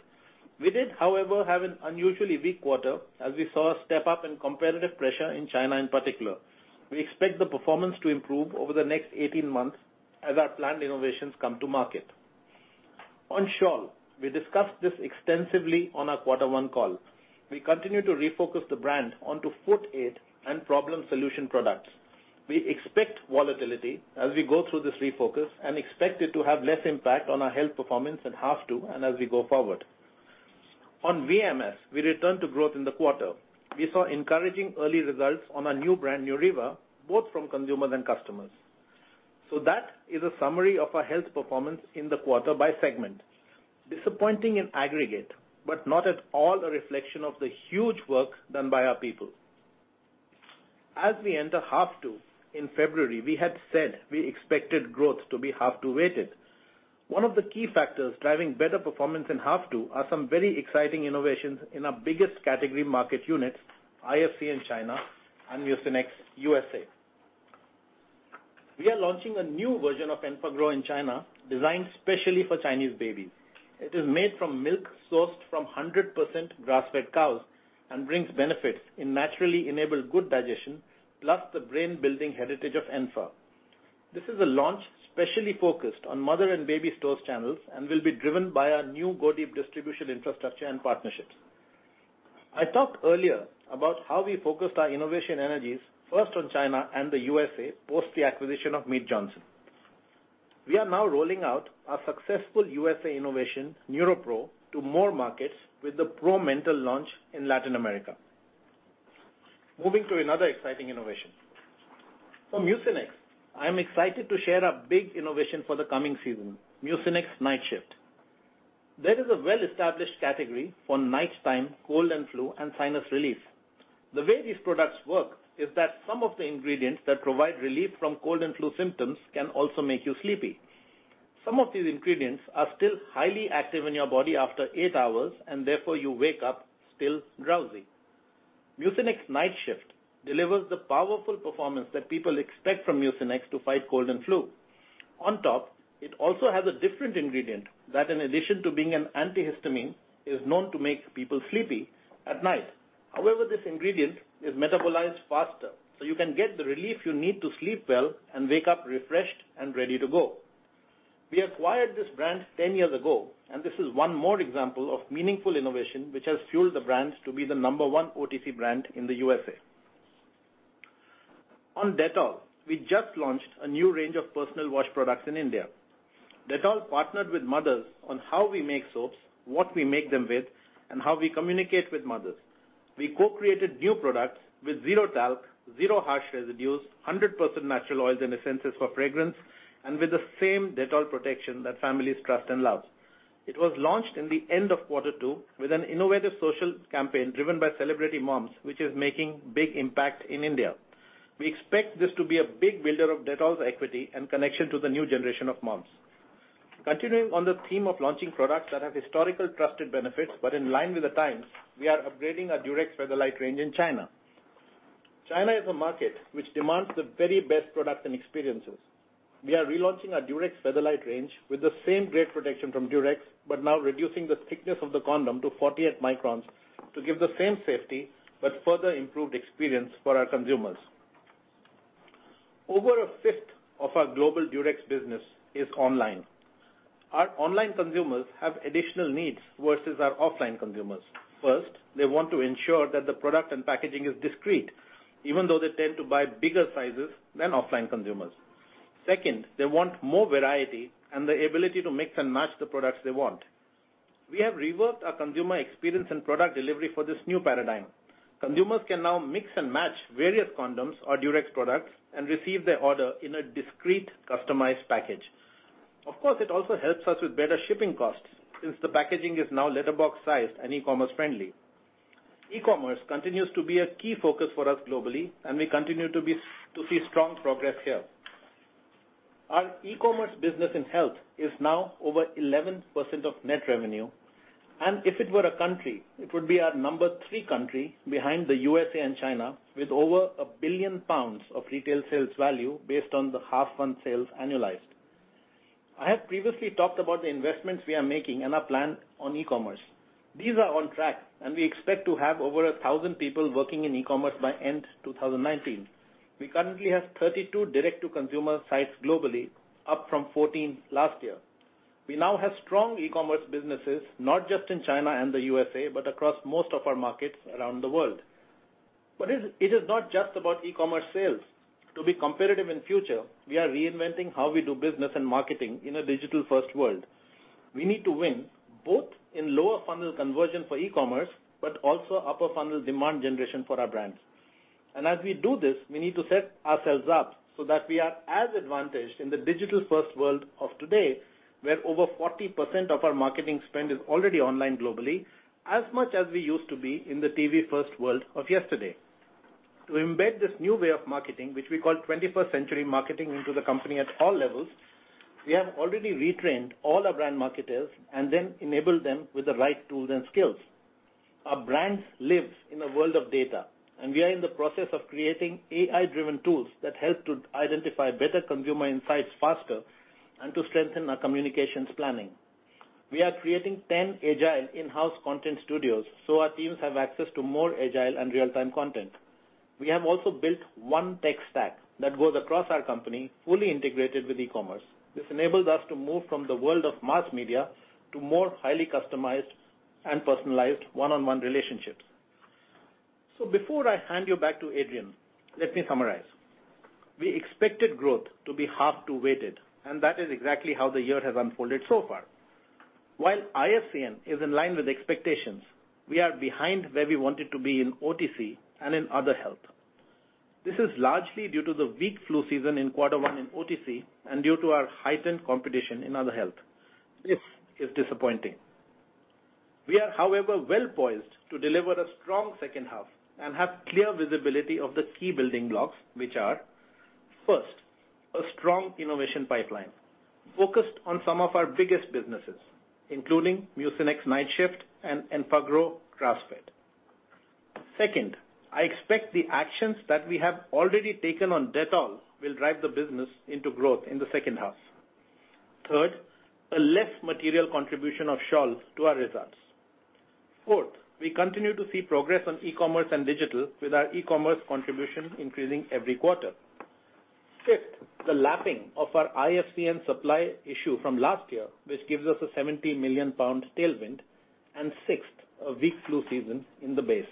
We did, however, have an unusually weak quarter as we saw a step up in competitive pressure in China in particular. We expect the performance to improve over the next 18 months as our planned innovations come to market. On Scholl, we discussed this extensively on our quarter one call. We continue to refocus the brand onto foot care and problem solution products. We expect volatility as we go through this refocus and expect it to have less impact on our Health performance in half two and as we go forward. On VMS, we returned to growth in the quarter. We saw encouraging early results on our new brand, Neuriva, both from consumers and customers. That is a summary of our health performance in the quarter by segment. Disappointing in aggregate, not at all a reflection of the huge work done by our people. As we enter half two in February, we had said we expected growth to be half two weighted. One of the key factors driving better performance in half two are some very exciting innovations in our biggest category market units, IFCN in China and Mucinex U.S.A. We are launching a new version of Enfagrow in China designed specially for Chinese babies. It is made from milk sourced from 100% grass-fed cows and brings benefits in naturally enabled good digestion, plus the brain-building heritage of Enfa. This is a launch specially focused on mother and baby stores channels and will be driven by our new go-deep distribution infrastructure and partnerships. I talked earlier about how we focused our innovation energies first on China and the U.S. post the acquisition of Mead Johnson. We are now rolling out our successful U.S. innovation, NeuroPro, to more markets with the ProMental launch in Latin America. Moving to another exciting innovation. For Mucinex, I'm excited to share a big innovation for the coming season, Mucinex NIGHTSHIFT. There is a well-established category for nighttime cold and flu and sinus relief. The way these products work is that some of the ingredients that provide relief from cold and flu symptoms can also make you sleepy. Some of these ingredients are still highly active in your body after eight hours, and therefore you wake up still drowsy. Mucinex NIGHTSHIFT delivers the powerful performance that people expect from Mucinex to fight cold and flu. It also has a different ingredient that, in addition to being an antihistamine, is known to make people sleepy at night. This ingredient is metabolized faster. You can get the relief you need to sleep well and wake up refreshed and ready to go. We acquired this brand 10 years ago. This is one more example of meaningful innovation, which has fueled the brand to be the number one OTC brand in the U.S. We just launched a new range of personal wash products in India. Dettol partnered with mothers on how we make soaps, what we make them with, and how we communicate with mothers. We co-created new products with zero talc, zero harsh residues, 100% natural oils and essences for fragrance, and with the same Dettol protection that families trust and love. It was launched in the end of quarter two with an innovative social campaign driven by celebrity moms, which is making big impact in India. We expect this to be a big builder of Dettol's equity and connection to the new generation of moms. Continuing on the theme of launching products that have historical trusted benefits, but in line with the times, we are upgrading our Durex Fetherlite range in China. China is a market which demands the very best products and experiences. We are relaunching our Durex Fetherlite range with the same great protection from Durex, but now reducing the thickness of the condom to 48 microns to give the same safety, but further improved experience for our consumers. Over a fifth of our global Durex business is online. Our online consumers have additional needs versus our offline consumers. First, they want to ensure that the product and packaging is discreet, even though they tend to buy bigger sizes than offline consumers. Second, they want more variety and the ability to mix and match the products they want. We have reworked our consumer experience and product delivery for this new paradigm. Consumers can now mix and match various condoms or Durex products and receive their order in a discreet, customized package. Of course, it also helps us with better shipping costs, since the packaging is now letterbox size and e-commerce friendly. E-commerce continues to be a key focus for us globally, and we continue to see strong progress here. Our e-commerce business in Health is now over 11% of net revenue, and if it were a country, it would be our number three country behind the U.S.A. and China, with over 1 billion pounds of retail sales value based on the half fund sales annualized. I have previously talked about the investments we are making and our plan on e-commerce. These are on track, and we expect to have over 1,000 people working in e-commerce by end 2019. We currently have 32 direct-to-consumer sites globally, up from 14 last year. We now have strong e-commerce businesses, not just in China and the U.S.A., but across most of our markets around the world. It is not just about e-commerce sales. To be competitive in future, we are reinventing how we do business and marketing in a digital-first world. We need to win both in lower-funnel conversion for e-commerce, but also upper-funnel demand generation for our brands. As we do this, we need to set ourselves up so that we are as advantaged in the digital-first world of today, where over 40% of our marketing spend is already online globally, as much as we used to be in the TV-first world of yesterday. To embed this new way of marketing, which we call 21st Century Marketing, into the company at all levels, we have already retrained all our brand marketers and then enabled them with the right tools and skills. Our brands live in a world of data, and we are in the process of creating AI-driven tools that help to identify better consumer insights faster and to strengthen our communications planning. We are creating 10 agile in-house content studios, so our teams have access to more agile and real-time content. We have also built one tech stack that goes across our company, fully integrated with e-commerce. This enables us to move from the world of mass media to more highly customized and personalized one-on-one relationships. Before I hand you back to Adrian, let me summarize. We expected growth to be half-two weighted, and that is exactly how the year has unfolded so far. While IFCN is in line with expectations, we are behind where we wanted to be in OTC and in other health. This is largely due to the weak flu season in quarter one in OTC and due to our heightened competition in other health. This is disappointing. We are, however, well poised to deliver a strong H2 and have clear visibility of the key building blocks, which are, first, a strong innovation pipeline focused on some of our biggest businesses, including Mucinex NIGHTSHIFT and Enfagrow Grass Fed. Second, I expect the actions that we have already taken on Dettol will drive the business into growth in the H2. Third, a less material contribution of Scholl's to our results. Fourth, we continue to see progress on e-commerce and digital with our e-commerce contribution increasing every quarter. Fifth, the lapping of our IFCN supply issue from last year, which gives us a 70 million pound tailwind. Sixth, a weak flu season in the base.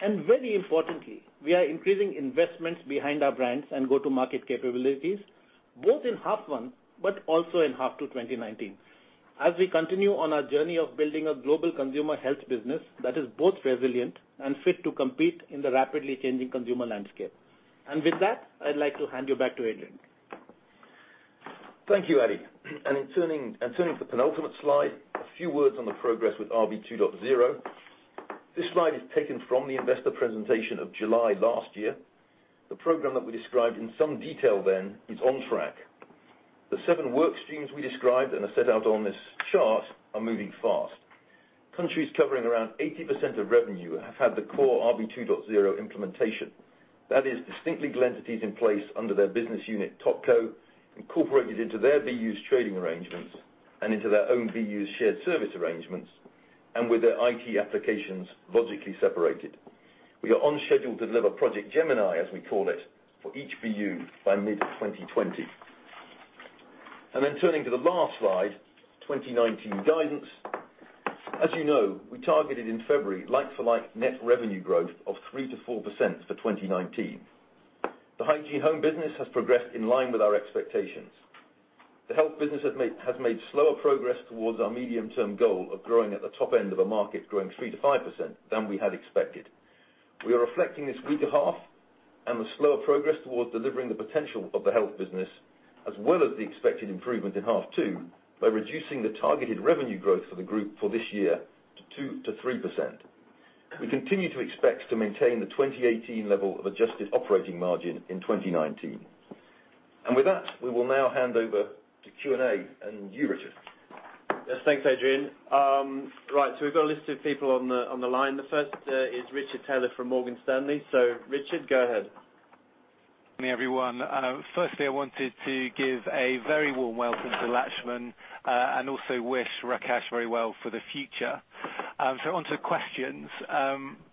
Very importantly, we are increasing investments behind our brands and go-to-market capabilities both in half one, but also in half two 2019. As we continue on our journey of building a global consumer health business that is both resilient and fit to compete in the rapidly changing consumer landscape. And with that, I'd like to hand you back to Adrian. Thank you, Adi. Turning to the penultimate slide, a few words on the progress with RB two point zero. This slide is taken from the investor presentation of July last year. The program that we described in some detail then is on track. The seven work streams we described and are set out on this chart are moving fast. Countries covering around 80% of revenue have had the core RB two point zero implementation. That is, distinct legal entities in place under their business unit TopCo, incorporated into their BU's trading arrangements, and into their own BU's shared service arrangements, and with their IT applications logically separated. We are on schedule to deliver Project Gemini, as we call it, for each BU by mid-2020. Turning to the last slide, 2019 guidance. As you know, we targeted in February like-for-like net revenue growth of 3% to 4% for 2019. The Hygiene Home business has progressed in line with our expectations. The Health business has made slower progress towards our medium-term goal of growing at the top end of a market growing 3% to 5% than we had expected. We are reflecting this weaker half and the slower progress towards delivering the potential of the Health business, as well as the expected improvement in half two, by reducing the targeted revenue growth for the group for this year to 2% to 3%. We continue to expect to maintain the 2018 level of adjusted operating margin in 2019. And with that, we will now hand over to Q&A, and you, Richard. Yes, thanks, Adrian. Right. We've got a list of people on the line. The first is Richard Taylor from Morgan Stanley. Richard, go ahead. Morning, everyone. Firstly, I wanted to give a very warm welcome to Laxman, and also wish Rakesh very well for the future. On to questions.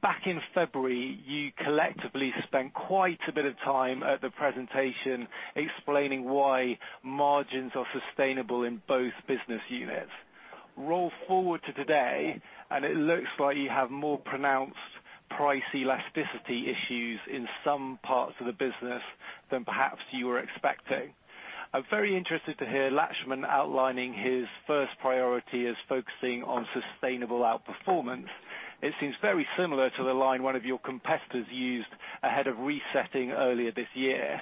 Back in February, you collectively spent quite a bit of time at the presentation explaining why margins are sustainable in both business units. Roll forward to today, it looks like you have more pronounced price elasticity issues in some parts of the business than perhaps you were expecting. I'm very interested to hear Laxman outlining his first priority as focusing on sustainable outperformance. It seems very similar to the line one of your competitors used ahead of resetting earlier this year.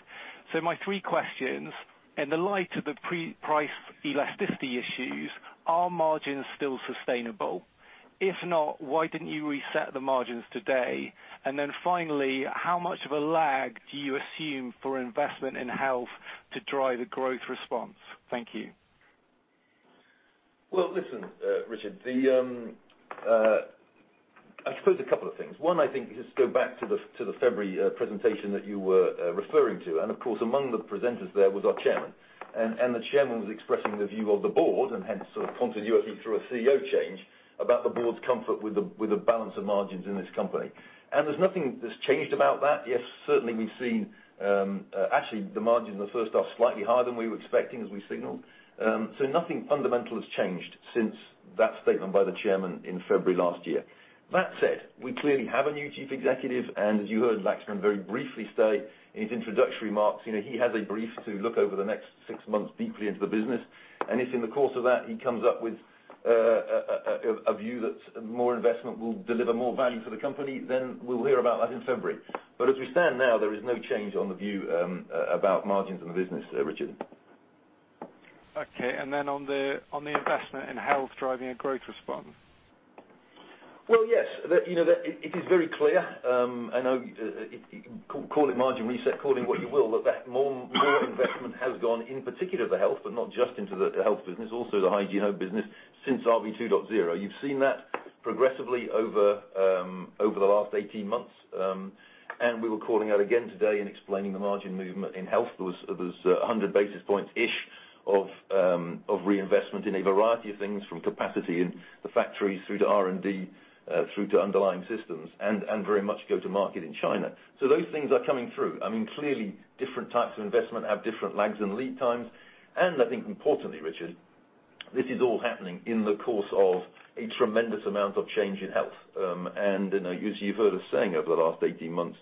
My three questions. In the light of the price elasticity issues, are margins still sustainable? If not, why didn't you reset the margins today? And then finally, how much of a lag do you assume for investment in health to drive a growth response? Thank you. Well, listen, Richard. I suppose a couple of things. One, I think just go back to the February presentation that you were referring to. Of course, among the presenters there was our chairman. The chairman was expressing the view of the board, and hence continuously through a CEO change, about the board's comfort with the balance of margins in this company. There's nothing that's changed about that. Yes, certainly we've seen, actually, the margin in the H1 slightly higher than we were expecting as we signaled. Nothing fundamental has changed since that statement by the chairman in February last year. That said, we clearly have a new chief executive, and as you heard Laxman very briefly say in his introductory remarks, he has a brief to look over the next six months deeply into the business. If in the course of that, he comes up with a view that more investment will deliver more value for the company, then we'll hear about that in February. As we stand now, there is no change on the view about margins in the business, Richard. On the investment in Health driving a growth response. Well, yes. It is very clear. Call it margin reset, call it what you will, but more investment has gone, in particular for Health, but not just into the Health business, also the Hygiene Home business, since RB two point zero. You've seen that progressively over the last 18 months. We were calling out again today in explaining the margin movement in Health. There was 100 basis point-ish of reinvestment in a variety of things, from capacity in the factories through to R&D, through to underlying systems, and very much go to market in China. Those things are coming through. Clearly, different types of investment have different lags and lead times. I think importantly, Richard, this is all happening in the course of a tremendous amount of change in Health. As you've heard us saying over the last 18 months,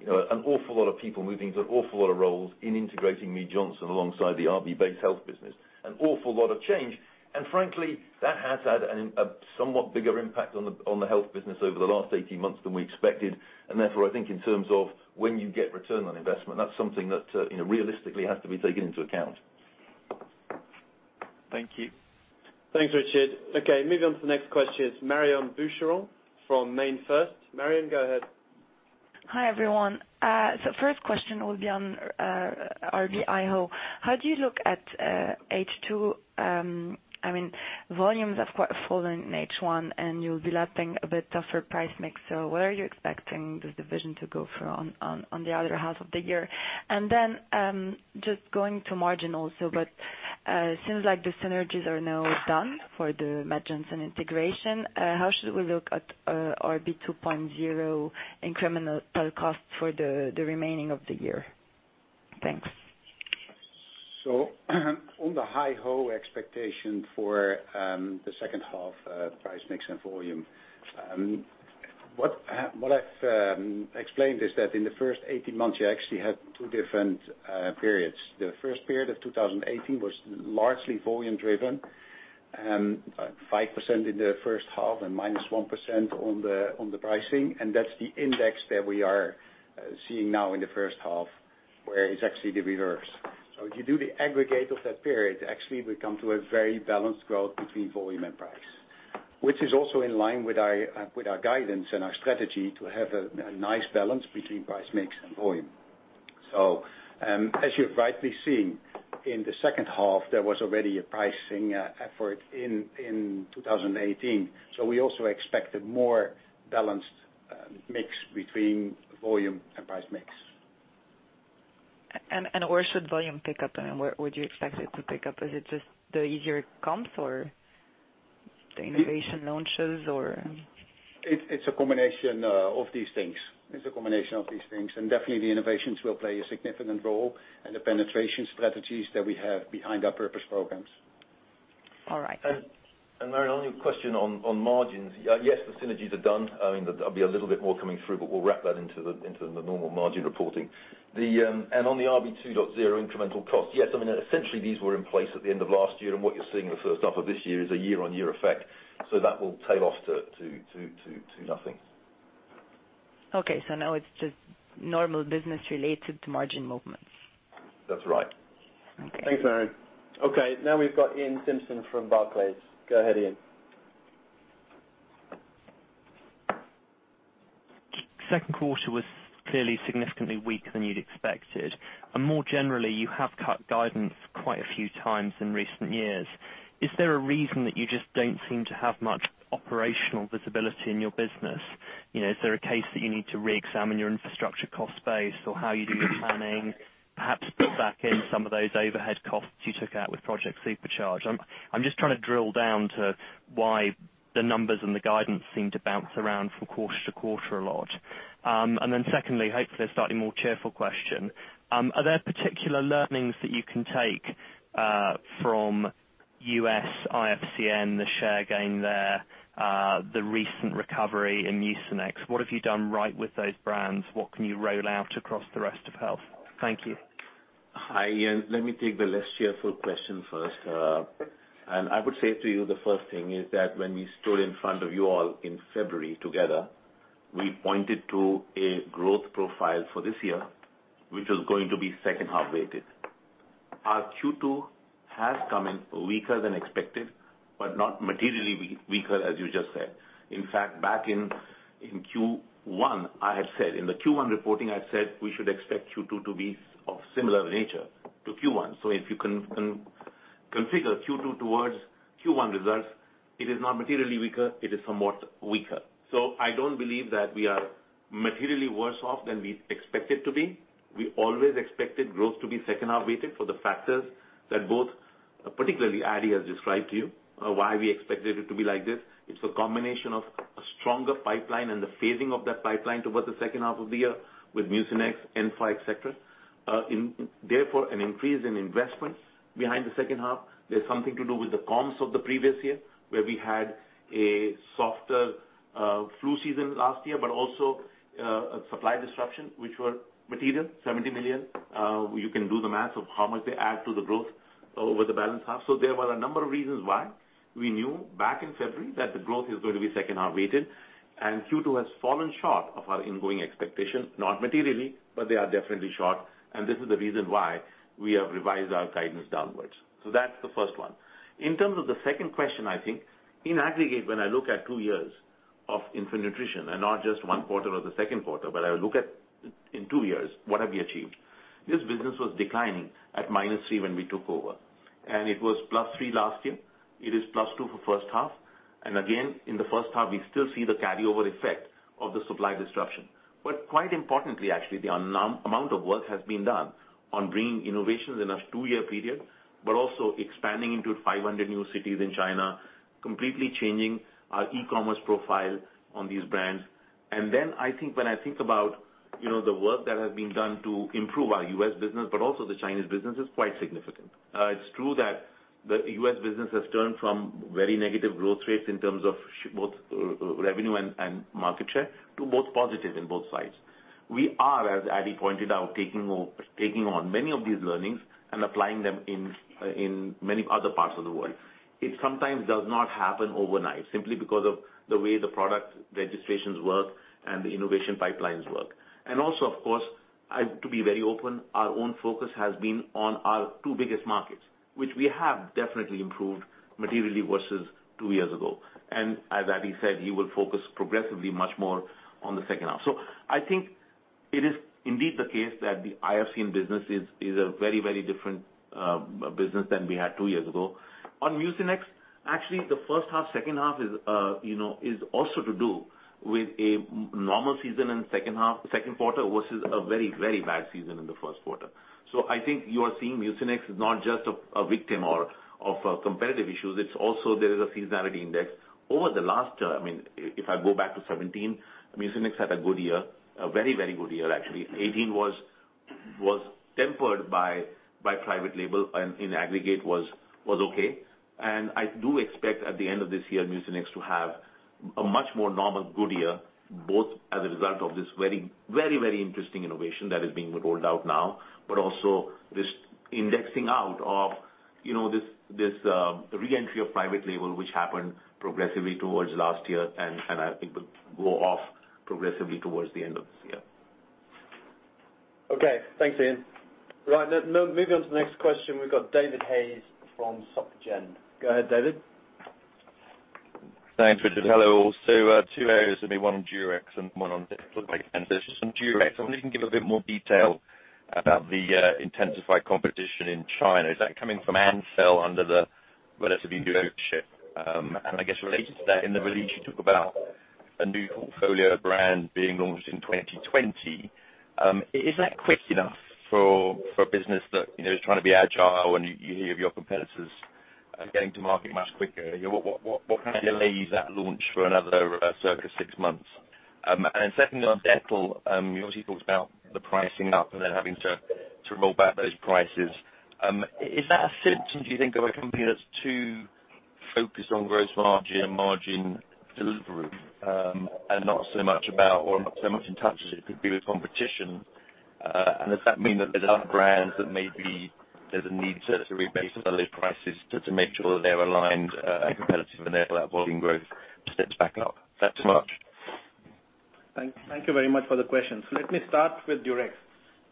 an awful lot of people moving to an awful lot of roles in integrating Mead Johnson alongside the RB Health business. An awful lot of change. Frankly, that has had a somewhat bigger impact on the health business over the last 18 months than we expected. Therefore, I think in terms of when you get return on investment, that's something that realistically has to be taken into account. Thank you. Thanks, Richard. Okay, moving on to the next question. It is Marion Boucheron from MainFirst. Marion, go ahead. Hi, everyone. First question will be on RB HyHo. How do you look at H2? Volumes have quite fallen in H1, and you'll be lapping a bit tougher price mix. What are you expecting the division to go for on the other half of the year? Just going to margin also, but it seems like the synergies are now done for the Mead Johnson integration. How should we look at RB two point zero incremental costs for the remaining of the year? Thanks. On the HyHo expectation for the H2 price mix and volume. What I've explained is that in the first 18 months, you actually had two different periods. The first period of 2018 was largely volume driven, 5% in the H1 and -1% on the pricing, and that's the index that we are seeing now in the H1, where it's actually the reverse. If you do the aggregate of that period, actually we come to a very balanced growth between volume and price. Which is also in line with our guidance and our strategy to have a nice balance between price mix and volume. As you have rightly seen, in the H2, there was already a pricing effort in 2018. We also expected a more balanced mix between volume and price mix. Where should volume pick up? Where would you expect it to pick up? Is it just the easier comps or the innovation launches or? It's a combination of these things. Definitely the innovations will play a significant role in the penetration strategies that we have behind our purpose programs. All right. Marion, on your question on margins. Yes, the synergies are done. There'll be a little bit more coming through, but we'll wrap that into the normal margin reporting. On the RB two point zero incremental cost, yes, essentially these were in place at the end of last year, and what you're seeing in the H1 of this year is a year-on-year effect. That will tail off to nothing. Okay. Now it's just normal business related to margin movements. That's right. Okay. Thanks, Marion. Okay, now we've got Iain Simpson from Barclays. Go ahead, Iain. Q2 was clearly significantly weaker than you'd expected. More generally, you have cut guidance quite a few times in recent years. Is there a reason that you just don't seem to have much operational visibility in your business? Is there a case that you need to reexamine your infrastructure cost base or how you do your planning, perhaps put back in some of those overhead costs you took out with Project Supercharge? I'm just trying to drill down to why the numbers and the guidance seem to bounce around from quarter to quarter a lot. Secondly, hopefully a slightly more cheerful question. Are there particular learnings that you can take from U.S. IFCN, the share gain there, the recent recovery in Mucinex? What have you done right with those brands? What can you roll out across the rest of health? Thank you. Hi, Iain. Let me take the less cheerful question first. I would say to you, the first thing is that when we stood in front of you all in February together, we pointed to a growth profile for this year, which was going to be H2-weighted. Our Q2 has come in weaker than expected, but not materially weaker, as you just said. In fact, back in Q1, I had said, in the Q1 reporting, I said we should expect Q2 to be of similar nature to Q1. If you can configure Q2 towards Q1 results, it is not materially weaker, it is somewhat weaker. I don't believe that we are materially worse off than we expected to be. We always expected growth to be H2-weighted for the factors that both, particularly Adi has described to you why we expected it to be like this. It's a combination of a stronger pipeline and the phasing of that pipeline towards the H2 of the year with Mucinex, Enfa, et cetera. An increase in investments behind the H2. There's something to do with the comps of the previous year, where we had a softer flu season last year, but also a supply disruption, which were material, 70 million. You can do the math of how much they add to the growth over the balanced half. There were a number of reasons why we knew back in February that the growth is going to be H2-weighted, and Q2 has fallen short of our ingoing expectation, not materially, but they are definitely short, and this is the reason why we have revised our guidance downwards. That's the first one. In terms of the second question, I think in aggregate, when I look at two years of infant nutrition and not just one quarter or the Q2, but I look at in two years, what have we achieved? This business was declining at -three when we took over, and it was +three last year. It is +two for H1. Again, in the H1, we still see the carryover effect of the supply disruption. Quite importantly, actually, the amount of work has been done on bringing innovations in a two-year period, but also expanding into 500 new cities in China, completely changing our e-commerce profile on these brands. Then I think when I think about the work that has been done to improve our U.S. business, but also the Chinese business, is quite significant. It's true that the U.S. business has turned from very negative growth rates in terms of both revenue and market share to both positive in both sides. We are, as Adi pointed out, taking on many of these learnings and applying them in many other parts of the world. It sometimes does not happen overnight, simply because of the way the product registrations work and the innovation pipelines work. Also, of course, to be very open, our own focus has been on our two biggest markets, which we have definitely improved materially versus two years ago. As Adi said, he will focus progressively much more on the H2. I think it is indeed the case that the IFCN business is a very, very different business than we had two years ago. On Mucinex, actually, the H1/H2 is also to do with a normal season in Q2 versus a very, very bad season in the Q1. I think you are seeing Mucinex is not just a victim of competitive issues, it is also there is a seasonality index. Over the last term, if I go back to 2017, Mucinex had a good year, a very, very good year, actually. 2018 was tempered by private label and in aggregate was okay. I do expect at the end of this year, Mucinex to have a much more normal good year, both as a result of this very, very interesting innovation that is being rolled out now, but also this indexing out of this re-entry of private label, which happened progressively towards last year and I think will go off progressively towards the end of this year. Okay. Thanks, Iain. Right, moving on to the next question. We've got David Hayes from SocGen. Go ahead, David. Thanks, Richard. Hello, all. Two areas, maybe one on Durex and one on Dettol. Just on Durex, I wonder if you can give a bit more detail about the intensified competition in China. Is that coming from Ansell under the relatively new ownership? I guess related to that, in the release, you talk about a new portfolio brand being launched in 2020. Is that quick enough for a business that is trying to be agile and you hear of your competitors getting to market much quicker? What kind of delays that launch for another circa six months? Secondly, on Dettol, you obviously talked about the pricing up and then having to roll back those prices. Is that a symptom, do you think, of a company that's too focused on gross margin delivery, and not so much about or not so much in touch as it could be with competition? Does that mean that there are other brands that maybe there's a need to rebase those prices to make sure they're aligned and competitive and therefore that volume growth steps back up? Thanks so much. Thank you very much for the questions. Let me start with Durex.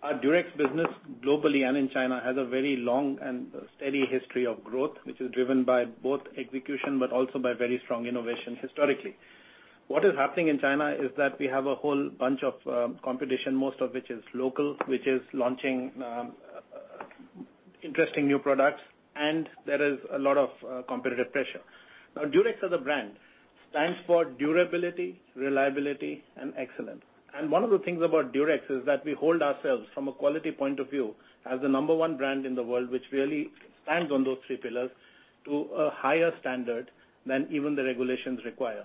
Our Durex business globally and in China has a very long and steady history of growth, which is driven by both execution, but also by very strong innovation historically. What is happening in China is that we have a whole bunch of competition, most of which is local, which is launching interesting new products, and there is a lot of competitive pressure. Durex as a brand stands for durability, reliability, and excellence. One of the things about Durex is that we hold ourselves from a quality point of view as the number one brand in the world, which really stands on those three pillars to a higher standard than even the regulations require.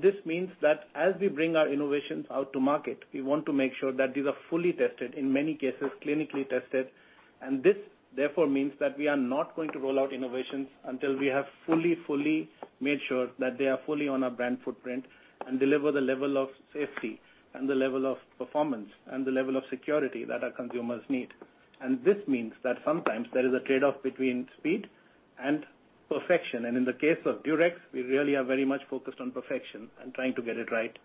This means that as we bring our innovations out to market, we want to make sure that these are fully tested, in many cases, clinically tested. This therefore means that we are not going to roll out innovations until we have fully made sure that they are fully on our brand footprint and deliver the level of safety and the level of performance and the level of security that our consumers need. This means that sometimes there is a trade-off between speed and perfection. In the case of Durex, we really are very much focused on perfection and trying to get it right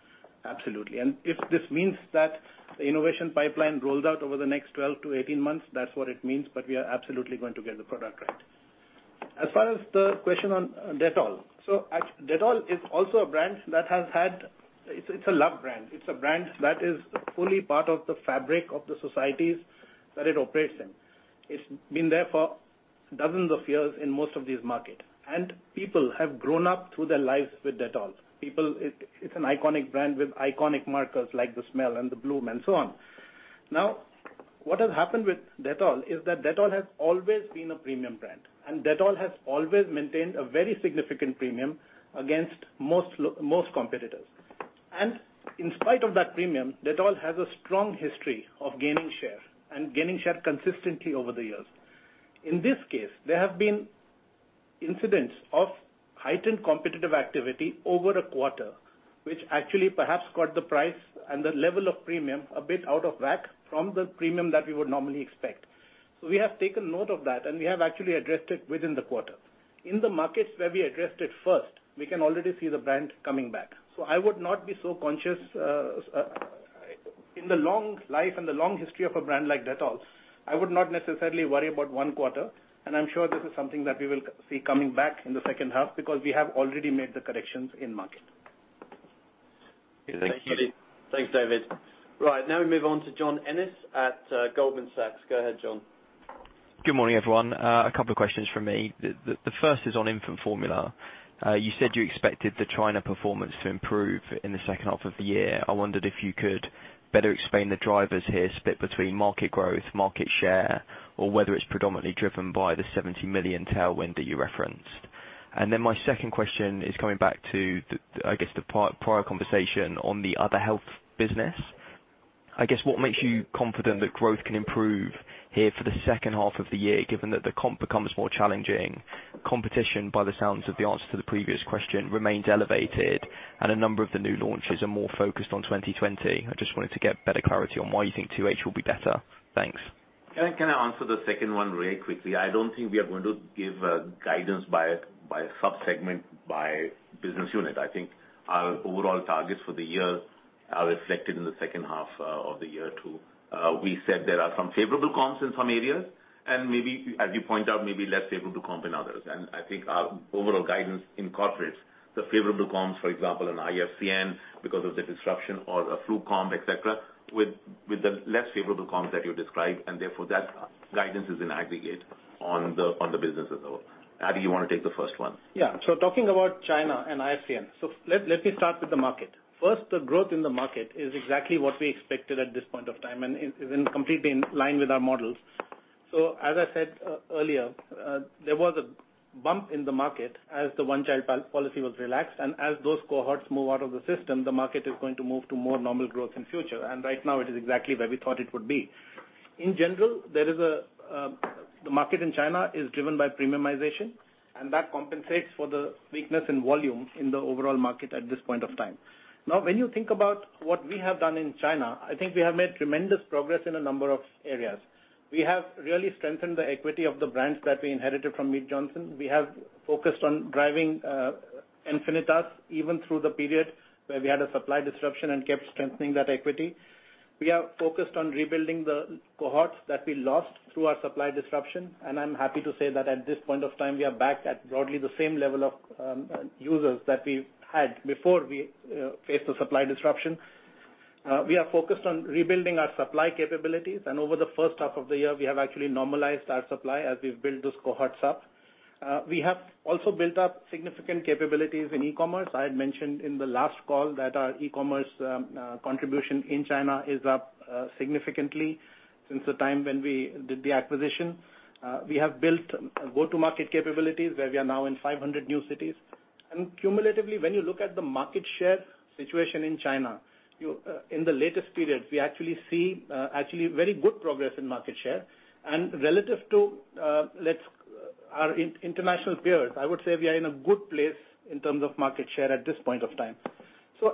absolutely. If this means that the innovation pipeline rolls out over the next 12 to 18 months, that's what it means, but we are absolutely going to get the product right. As far as the question on Dettol. Dettol is also a brand that has had. It's a loved brand. It's a brand that is fully part of the fabric of the societies that it operates in. It's been there for dozens of years in most of these markets, and people have grown up through their lives with Dettol. It's an iconic brand with iconic markers like the smell and the blue and so on. What has happened with Dettol is that Dettol has always been a premium brand, and Dettol has always maintained a very significant premium against most competitors. In spite of that premium, Dettol has a strong history of gaining share and gaining share consistently over the years. In this case, there have been incidents of heightened competitive activity over a quarter, which actually perhaps got the price and the level of premium a bit out of whack from the premium that we would normally expect. We have taken note of that, and we have actually addressed it within the quarter. In the markets where we addressed it first, we can already see the brand coming back. I would not be so conscious in the long life and the long history of a brand like Dettol, I would not necessarily worry about one quarter, and I'm sure this is something that we will see coming back in the H2 because we have already made the corrections in market. Thank you. Thanks, David. Now we move on to John Ennis at Goldman Sachs. Go ahead, John. Good morning, everyone. A couple of questions from me. The first is on infant formula. You said you expected the China performance to improve in the H2 of the year. I wondered if you could better explain the drivers here, split between market growth, market share, or whether it's predominantly driven by the 70 million tailwind that you referenced. My second question is coming back to, I guess, the prior conversation on the other health business. I guess, what makes you confident that growth can improve here for the H2 of the year, given that the comp becomes more challenging, competition, by the sounds of the answer to the previous question, remains elevated, and a number of the new launches are more focused on 2020? I just wanted to get better clarity on why you think 2H will be better. Thanks. Can I answer the second one really quickly? I don't think we are going to give guidance by sub-segment, by business unit. I think our overall targets for the year are reflected in the H2 of the year, too. We said there are some favorable comps in some areas, maybe, as you point out, maybe less favorable comp in others. I think our overall guidance incorporates the favorable comps, for example, in IFCN because of the disruption or a flu comp, et cetera, with the less favorable comps that you described, and therefore that guidance is in aggregate on the business as a whole. Adi, you want to take the first one? Yeah. Talking about China and IFCN. Let me start with the market. First, the growth in the market is exactly what we expected at this point of time and is completely in line with our models. As I said earlier, there was a bump in the market as the one-child policy was relaxed. As those cohorts move out of the system, the market is going to move to more normal growth in future. Right now it is exactly where we thought it would be. In general, the market in China is driven by premiumization, and that compensates for the weakness in volume in the overall market at this point of time. When you think about what we have done in China, I think we have made tremendous progress in a number of areas. We have really strengthened the equity of the brands that we inherited from Mead Johnson. We have focused on driving Enfamil even through the period where we had a supply disruption and kept strengthening that equity. We are focused on rebuilding the cohorts that we lost through our supply disruption, and I'm happy to say that at this point of time, we are back at broadly the same level of users that we had before we faced the supply disruption. We are focused on rebuilding our supply capabilities, and over the H1 of the year, we have actually normalized our supply as we've built those cohorts up. We have also built up significant capabilities in e-commerce. I had mentioned in the last call that our e-commerce contribution in China is up significantly since the time when we did the acquisition. We have built go-to market capabilities where we are now in 500 new cities. Cumulatively, when you look at the market share situation in China, in the latest period, we actually see very good progress in market share. Relative to our international peers, I would say we are in a good place in terms of market share at this point of time.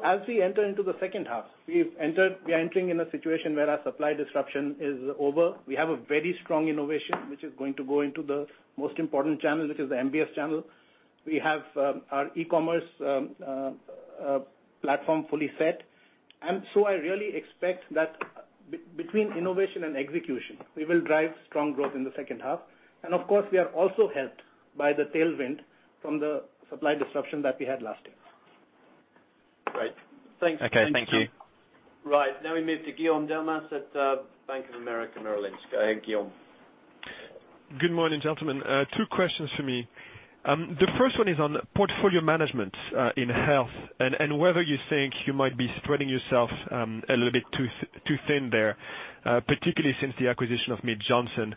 As we enter into the H2, we are entering in a situation where our supply disruption is over. We have a very strong innovation, which is going to go into the most important channel, which is the MBS channel. We have our e-commerce platform fully set. I really expect that between innovation and execution, we will drive strong growth in the H2. Of course, we are also helped by the tailwind from the supply disruption that we had last year. Great. Thanks. Okay. Thank you. Right. Now we move to Guillaume Delmas at Bank of America Merrill Lynch. Go ahead, Guillaume. Good morning, gentlemen. Two questions for me. The first one is on portfolio management in Health and whether you think you might be spreading yourself a little bit too thin there, particularly since the acquisition of Mead Johnson.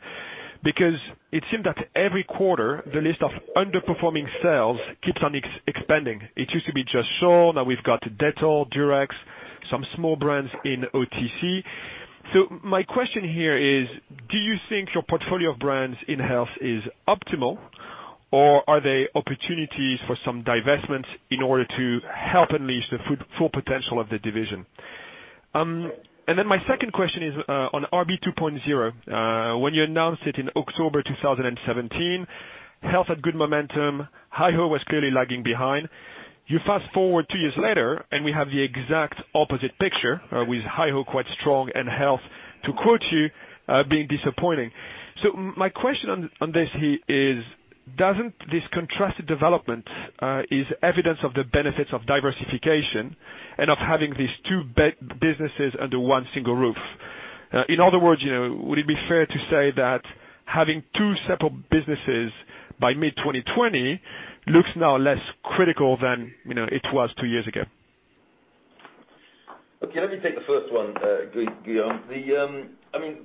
It seemed that every quarter, the list of underperforming sales keeps on expanding. It used to be just Scholl, now we've got Dettol, Durex, some small brands in OTC. My question here is, do you think your portfolio of brands in Health is optimal, or are there opportunities for some divestments in order to help unleash the full potential of the division? My second question is on RB two point zero. When you announced it in October 2017, Health had good momentum. HyHo was clearly lagging behind. You fast-forward two years later, and we have the exact opposite picture with HyHo quite strong and Health, to quote you, "being disappointing." My question on this is, doesn't this contrasted development is evidence of the benefits of diversification and of having these two businesses under one single roof? In other words, would it be fair to say that having two separate businesses by mid-2020 looks now less critical than it was two years ago? Okay, let me take the first one, Guillaume.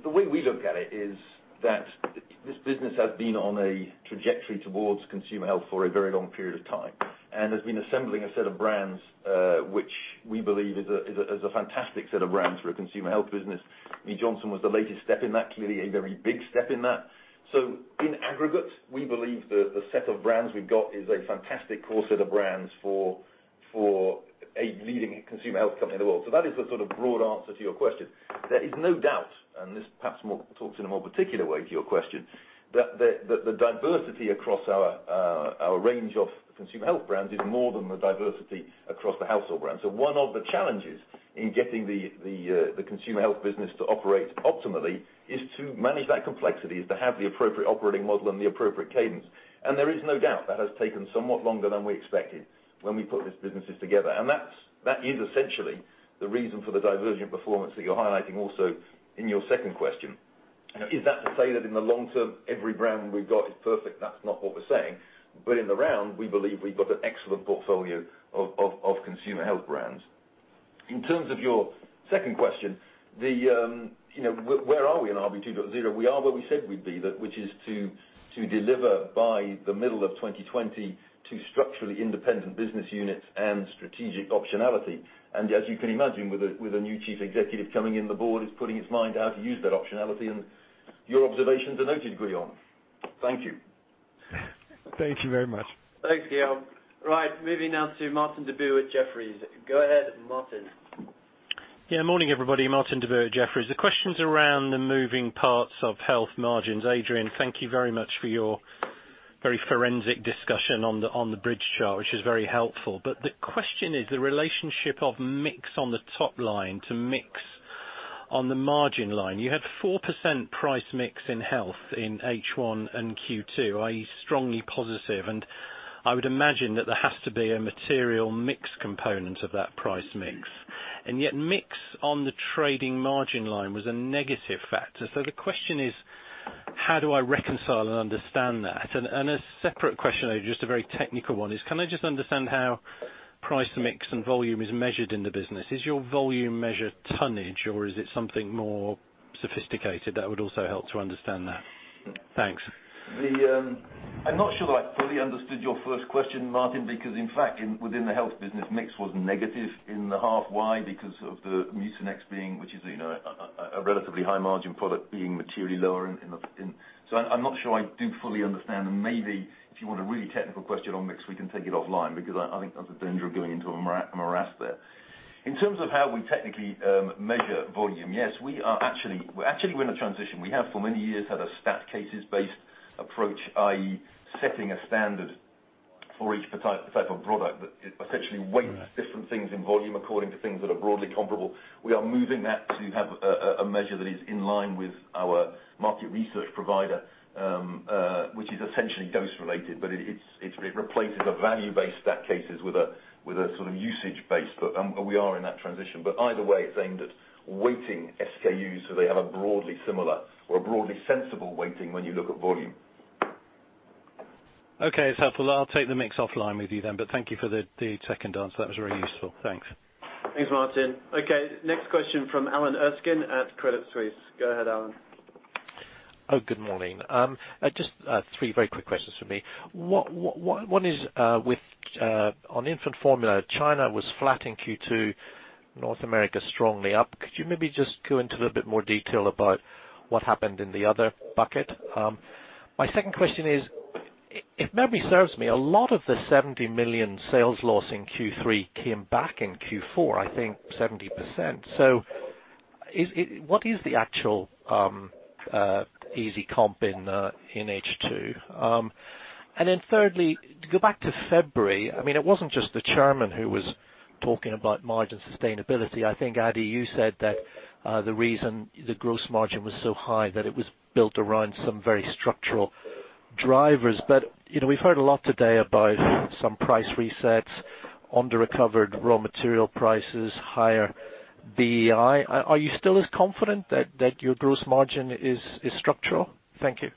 The way we look at it is that this business has been on a trajectory towards consumer health for a very long period of time and has been assembling a set of brands, which we believe is a fantastic set of brands for a consumer health business. Mead Johnson was the latest step in that, clearly a very big step in that. In aggregate, we believe the set of brands we've got is a fantastic core set of brands for a leading consumer health company in the world. That is the sort of broad answer to your question. There is no doubt, and this perhaps talks in a more particular way to your question, that the diversity across our range of consumer health brands is more than the diversity across the household brands. One of the challenges in getting the consumer health business to operate optimally is to manage that complexity, is to have the appropriate operating model and the appropriate cadence. There is no doubt that has taken somewhat longer than we expected when we put these businesses together. That is essentially the reason for the divergent performance that you're highlighting also in your second question. Is that to say that in the long term, every brand we've got is perfect? That's not what we're saying. In the round, we believe we've got an excellent portfolio of consumer health brands. In terms of your second question, where are we in RB two point zero? We are where we said we'd be, which is to deliver by the middle of 2020, two structurally independent business units and strategic optionality. As you can imagine, with a new Chief Executive coming in, the board is putting its mind how to use that optionality, and your observations are noted, Guillaume. Thank you. Thank you very much. Thanks, Guillaume. Right, moving now to Martin Deboo at Jefferies. Go ahead, Martin. Morning, everybody. Martin Deboo at Jefferies. The question's around the moving parts of Health margins. Adrian, thank you very much for your very forensic discussion on the bridge chart, which is very helpful. The question is the relationship of mix on the top line to mix on the margin line. You had 4% price mix in Health in H1 and Q2, i.e., strongly positive, and I would imagine that there has to be a material mix component of that price mix. Yet mix on the trading margin line was a negative factor. The question is, how do I reconcile and understand that? A separate question, just a very technical one, is can I just understand how price mix and volume is measured in the business. Is your volume measure tonnage, or is it something more sophisticated that would also help to understand that? Thanks. I'm not sure that I fully understood your first question, Martin, because in fact, within the health business, mix was negative in the half. Why? Because of the Mucinex, which is a relatively high margin product, being materially lower. I'm not sure I do fully understand, and maybe if you want a really technical question on mix, we can take it offline, because I think that's a danger of going into a morass there. In terms of how we technically measure volume, yes, we're actually in a transition. We have for many years had a stat cases based approach, i.e. setting a standard for each type of product that essentially weights different things in volume according to things that are broadly comparable. We are moving that to have a measure that is in line with our market research provider, which is essentially dose related. It replaces a value based stat cases with a sort of usage base. We are in that transition. Either way, it's aimed at weighting SKUs, so they have a broadly similar or a broadly sensible weighting when you look at volume. Okay. It's helpful. I'll take the mix offline with you then, but thank you for the second answer. That was really useful. Thanks. Thanks, Martin. Okay, next question from Alan Erskine at Credit Suisse. Go ahead, Alan. Good morning. Just three very quick questions from me. One is on infant formula. China was flat in Q2, North America strongly up. Could you maybe just go into a little bit more detail about what happened in the other bucket? My second question is, if memory serves me, a lot of the 70 million sales loss in Q3 came back in Q4, I think 70%. What is the actual easy comp in H2? Thirdly, to go back to February, it wasn't just the chairman who was talking about margin sustainability. I think, Adi, you said that the reason the gross margin was so high, that it was built around some very structural drivers. We've heard a lot today about some price resets on the recovered raw material prices, higher BEI. Are you still as confident that your gross margin is structural? Thank you.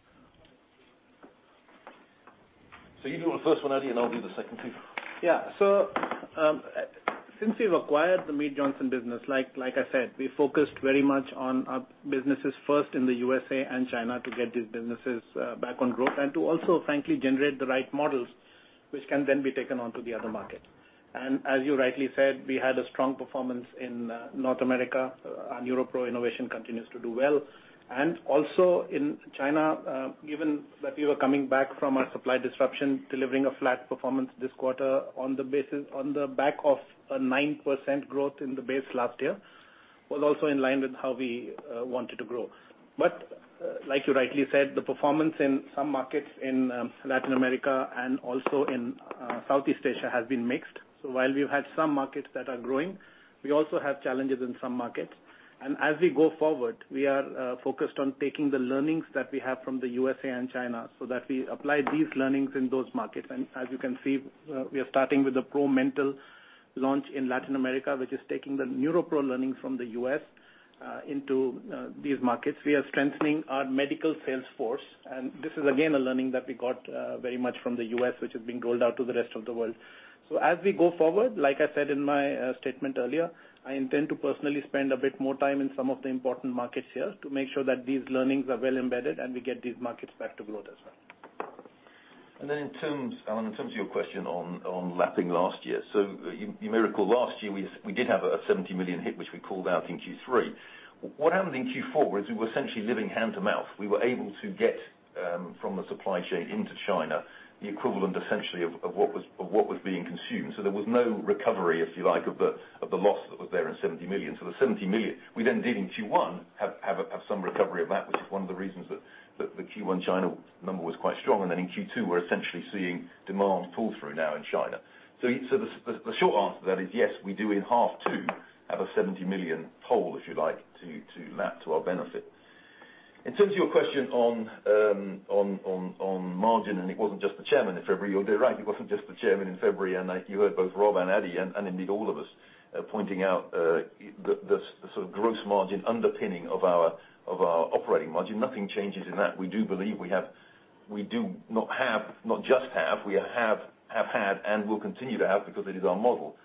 You do the first one, Adi, and I'll do the second two. Since we've acquired the Mead Johnson business, like I said, we focused very much on our businesses first in the U.S. and China to get these businesses back on growth and to also, frankly, generate the right models, which can then be taken on to the other market. As you rightly said, we had a strong performance in North America, and NeuroPro innovation continues to do well. Also in China, given that we were coming back from our supply disruption, delivering a flat performance this quarter on the back of a 9% growth in the base last year, was also in line with how we wanted to grow. Like you rightly said, the performance in some markets in Latin America and also in Southeast Asia has been mixed. While we've had some markets that are growing, we also have challenges in some markets. As we go forward, we are focused on taking the learnings that we have from the USA and China so that we apply these learnings in those markets. As you can see, we are starting with the ProMental launch in Latin America, which is taking the NeuroPro learnings from the U.S. into these markets. We are strengthening our medical sales force, and this is again, a learning that we got very much from the U.S., which is being rolled out to the rest of the world. As we go forward, like I said in my statement earlier, I intend to personally spend a bit more time in some of the important markets here to make sure that these learnings are well embedded and we get these markets back to growth as well. Alan, in terms of your question on lapping last year. You may recall last year, we did have a 70 million hit, which we called out in Q3. What happened in Q4 is we were essentially living hand to mouth. We were able to get from the supply chain into China, the equivalent essentially of what was being consumed. There was no recovery, if you like, of the loss that was there in 70 million. The 70 million, we then did in Q1 have some recovery of that, which is one of the reasons that the Q1 China number was quite strong. In Q2, we're essentially seeing demand pull through now in China. The short answer to that is yes, we do in half two, have a 70 million hole, if you like, to lap to our benefit. In terms of your question on margin, it wasn't just the chairman in February. You're dead right, it wasn't just the chairman in February, and you heard both Rob and Adi, and indeed all of us pointing out the sort of gross margin underpinning of our operating margin. Nothing changes in that. We do believe we do not just have, we have had, and will continue to have because it is our model,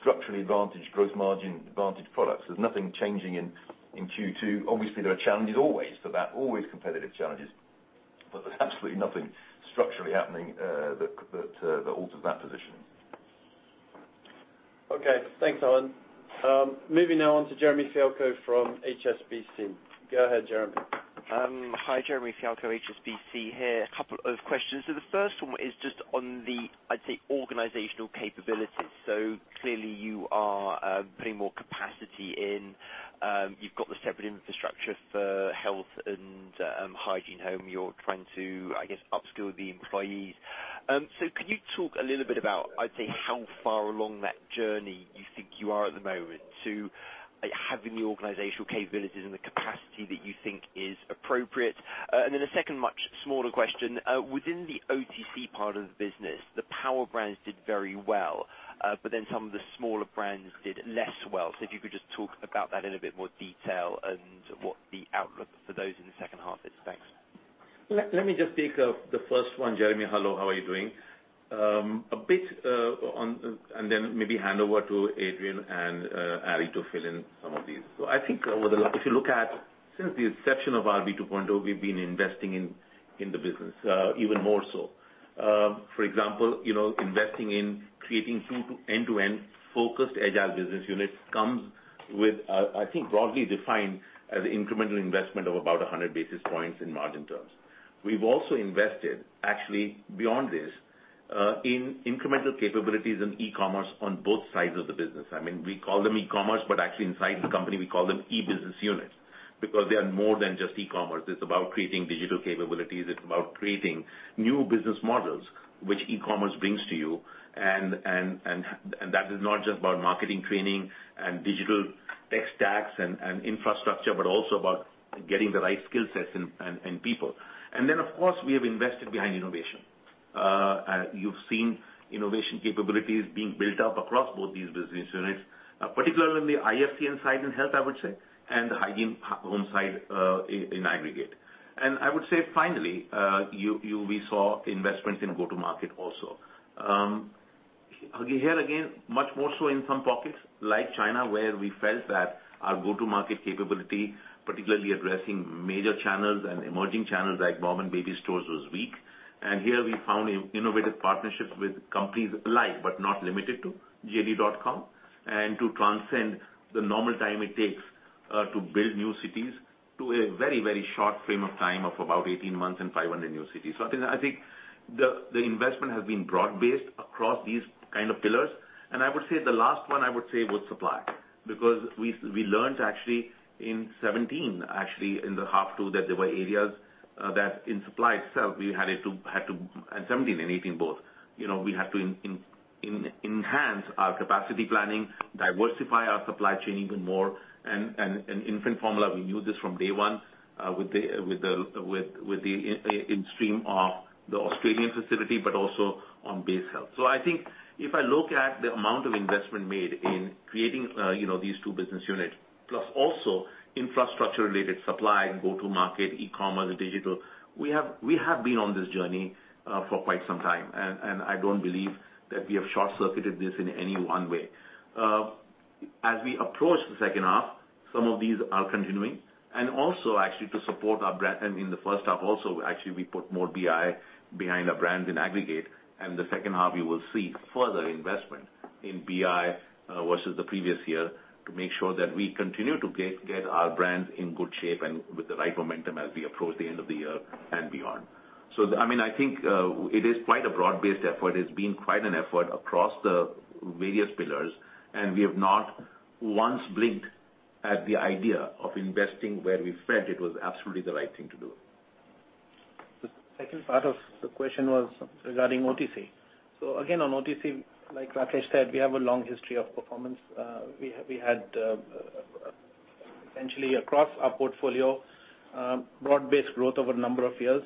structurally advantaged gross margin, advantaged products. There's nothing changing in Q2. Obviously, there are challenges always for that, always competitive challenges, but there's absolutely nothing structurally happening that alters that positioning. Okay, thanks, Alan. Moving now on to Jeremy Fialko from HSBC. Go ahead, Jeremy. Hi. Jeremy Fialko, HSBC here. A couple of questions. The first one is on the, I'd say, organizational capabilities. Clearly you are putting more capacity in. You've got the separate infrastructure for Health and Hygiene Home. You're trying to, I guess, upskill the employees. Could you talk a little bit about, I'd say, how far along that journey you think you are at the moment to having the organizational capabilities and the capacity that you think is appropriate? Then a second, much smaller question. Within the OTC part of the business, the power brands did very well, some of the smaller brands did less well. If you could talk about that in a bit more detail and what the outlook for those in the H2 is. Thanks. Let me just take the first one, Jeremy. Hello, how are you doing? A bit on, and then maybe hand over to Adrian and Adi to fill in some of these. I think if you look at since the inception of RB two point, we've been investing in the business even more so. For example, investing in creating two end-to-end focused agile business units comes with, I think, broadly defined as incremental investment of about 100 basis points in margin terms. We've also invested actually beyond this, in incremental capabilities in e-commerce on both sides of the business. We call them e-commerce, but actually inside the company, we call them e-business units because they are more than just e-commerce. It's about creating digital capabilities. It's about creating new business models which e-commerce brings to you. That is not just about marketing, training, and digital tech stacks and infrastructure, but also about getting the right skill sets and people. Of course, we have invested behind innovation. You've seen innovation capabilities being built up across both these business units, particularly on the IFCN side in health, I would say, and the hygiene home side in aggregate. I would say finally, we saw investments in go-to-market also. Here again, much more so in some pockets like China, where we felt that our go-to-market capability, particularly addressing major channels and emerging channels like mom and baby stores, was weak. Here we found innovative partnerships with companies like, but not limited to JD.com and to transcend the normal time it takes to build new cities to a very, very short frame of time of about 18 months and 500 new cities. I think the investment has been broad-based across these kind of pillars. I would say the last one I would say was supply, because we learned actually in 2017, actually in the half two, that there were areas that in supply itself, we had to in 2017 and 2018 both enhance our capacity planning, diversify our supply chain even more, and infant formula, we knew this from day one, with the in-stream of the Australian facility, but also on RB Health. I think if I look at the amount of investment made in creating these two business units, plus also infrastructure related supply, go-to-market, e-commerce, and digital, we have been on this journey for quite some time. I don't believe that we have short-circuited this in any one way. As we approach the H2, some of these are continuing. Also actually to support our brand in the H1 also, actually, we put more BEI behind our brands in aggregate. The H2 you will see further investment in BEI versus the previous year to make sure that we continue to get our brands in good shape and with the right momentum as we approach the end of the year and beyond. I think it is quite a broad-based effort. It's been quite an effort across the various pillars, and we have not once blinked at the idea of investing where we felt it was absolutely the right thing to do. The second part of the question was regarding OTC. Again, on OTC, like Rakesh said, we have a long history of performance. We had essentially across our portfolio broad-based growth over a number of years.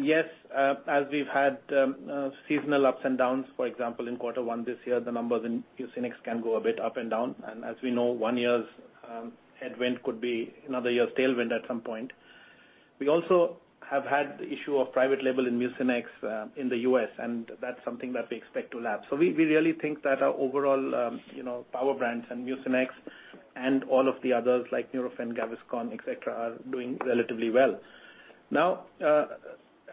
Yes, as we've had seasonal ups and downs, for example, in quarter one this year, the numbers in Mucinex can go a bit up and down. As we know, one year's headwind could be another year's tailwind at some point. We also have had the issue of private label in Mucinex in the U.S., and that's something that we expect to lapse. We really think that our overall power brands and Mucinex and all of the others like Nurofen, Gaviscon, et cetera, are doing relatively well.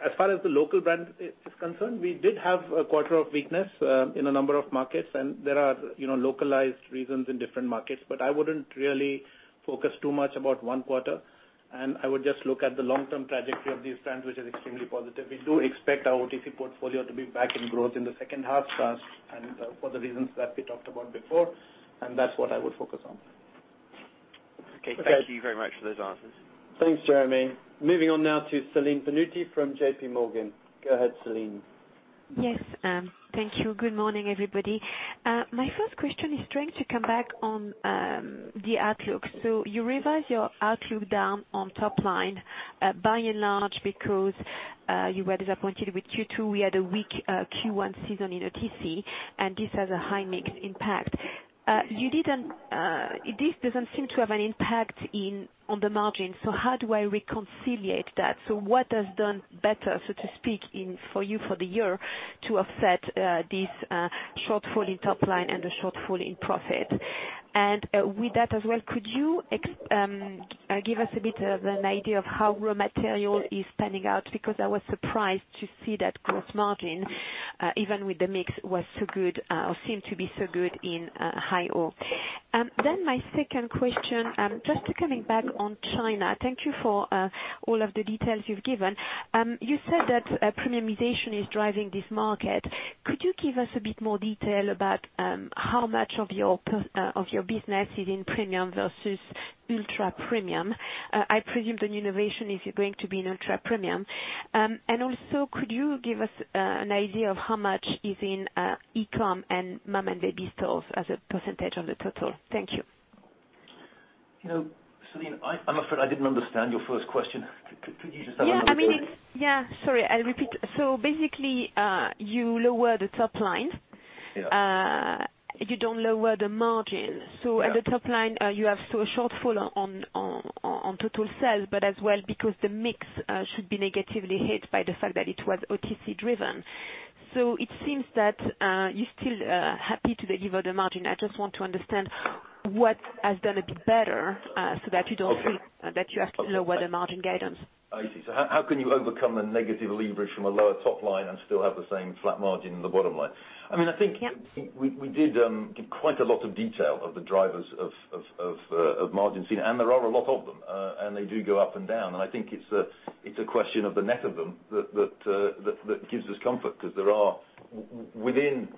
As far as the local brand is concerned, we did have a quarter of weakness in a number of markets, and there are localized reasons in different markets, but I wouldn't really focus too much about one quarter, and I would just look at the long-term trajectory of these brands, which is extremely positive. We do expect our OTC portfolio to be back in growth in the H2 and for the reasons that we talked about before, and that's what I would focus on. Okay. Thank you very much for those answers. Thanks, Jeremy. Moving on now to Celine Pannuti from J.P. Morgan. Go ahead, Celine. Yes. Thank you. Good morning, everybody. My first question is trying to come back on the outlook. You revised your outlook down on top line by and large because you were disappointed with Q2. We had a weak Q1 season in OTC, and this has a high mixed impact. This doesn't seem to have an impact on the margin. How do I reconciliate that? What has done better, so to speak, for you for the year to offset this shortfall in top line and the shortfall in profit? With that as well, could you give us a bit of an idea of how raw material is panning out? I was surprised to see that gross margin, even with the mix, was so good or seemed to be so good in HyHo. My second question, just to coming back on China. Thank you for all of the details you've given. You said that premiumization is driving this market. Could you give us a bit more detail about how much of your business is in premium versus ultra-premium? I presume the innovation is going to be in ultra-premium. Also, could you give us an idea of how much is in e-com and mom and baby stores as a % of the total? Thank you. Celine, I'm afraid I didn't understand your first question. Could you just have another go at it? Yeah. Sorry, I'll repeat. Basically, you lower the top line if you don't lower the margin. Yeah. At the top line, you have still a shortfall on total sales, but as well because the mix should be negatively hit by the fact that it was OTC driven. It seems that you're still happy to deliver the margin. I just want to understand what has done a bit better, so that you don't think. Okay that you have to lower the margin guidance. I see. How can you overcome the negative leverage from a lower top line and still have the same flat margin in the bottom line? Yeah we did give quite a lot of detail of the drivers of margin, Celine, and there are a lot of them, and they do go up and down. I think it's a question of the net of them that gives us comfort, because there are, within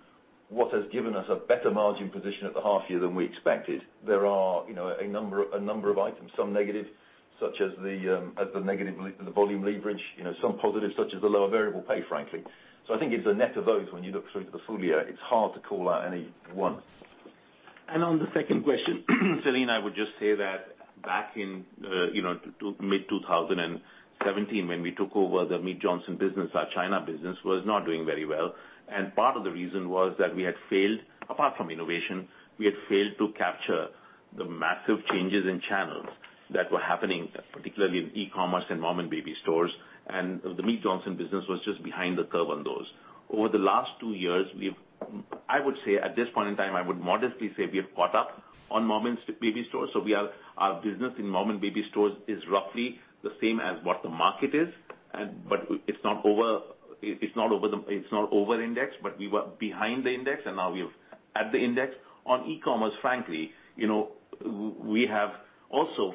what has given us a better margin position at the half year than we expected, there are a number of items, some negative, such as the negative volume leverage, some positives, such as the lower variable pay, frankly. I think it's a net of those when you look through to the full year, it's hard to call out any one. On the second question, Celine, I would just say that back in mid-2017 when we took over the Mead Johnson business, our China business was not doing very well. Part of the reason was that we had failed, apart from innovation, we had failed to capture the massive changes in channels that were happening, particularly in e-commerce and mom and baby stores, and the Mead Johnson business was just behind the curve on those. Over the last two years, I would say at this point in time, I would modestly say we have caught up on mom and baby stores. Our business in mom and baby stores is roughly the same as what the market is. It's not over index, but we were behind the index, and now we're at the index. On e-commerce, frankly, we have also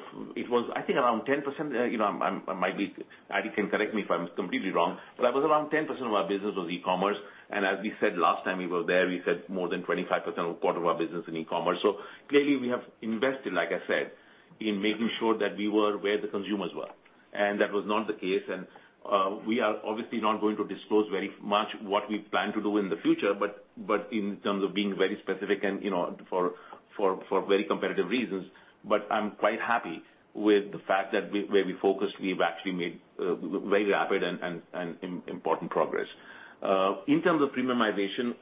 I think around 10%, Adi can correct me if I'm completely wrong, but that was around 10% of our business was e-commerce. As we said last time we were there, we said more than 25% or a quarter of our business in e-commerce. Clearly we have invested, like I said, in making sure that we were where the consumers were. That was not the case. We are obviously not going to disclose very much what we plan to do in the future, but in terms of being very specific and for very competitive reasons, I'm quite happy with the fact that where we focused, we've actually made very rapid and important progress. In terms of premiumization,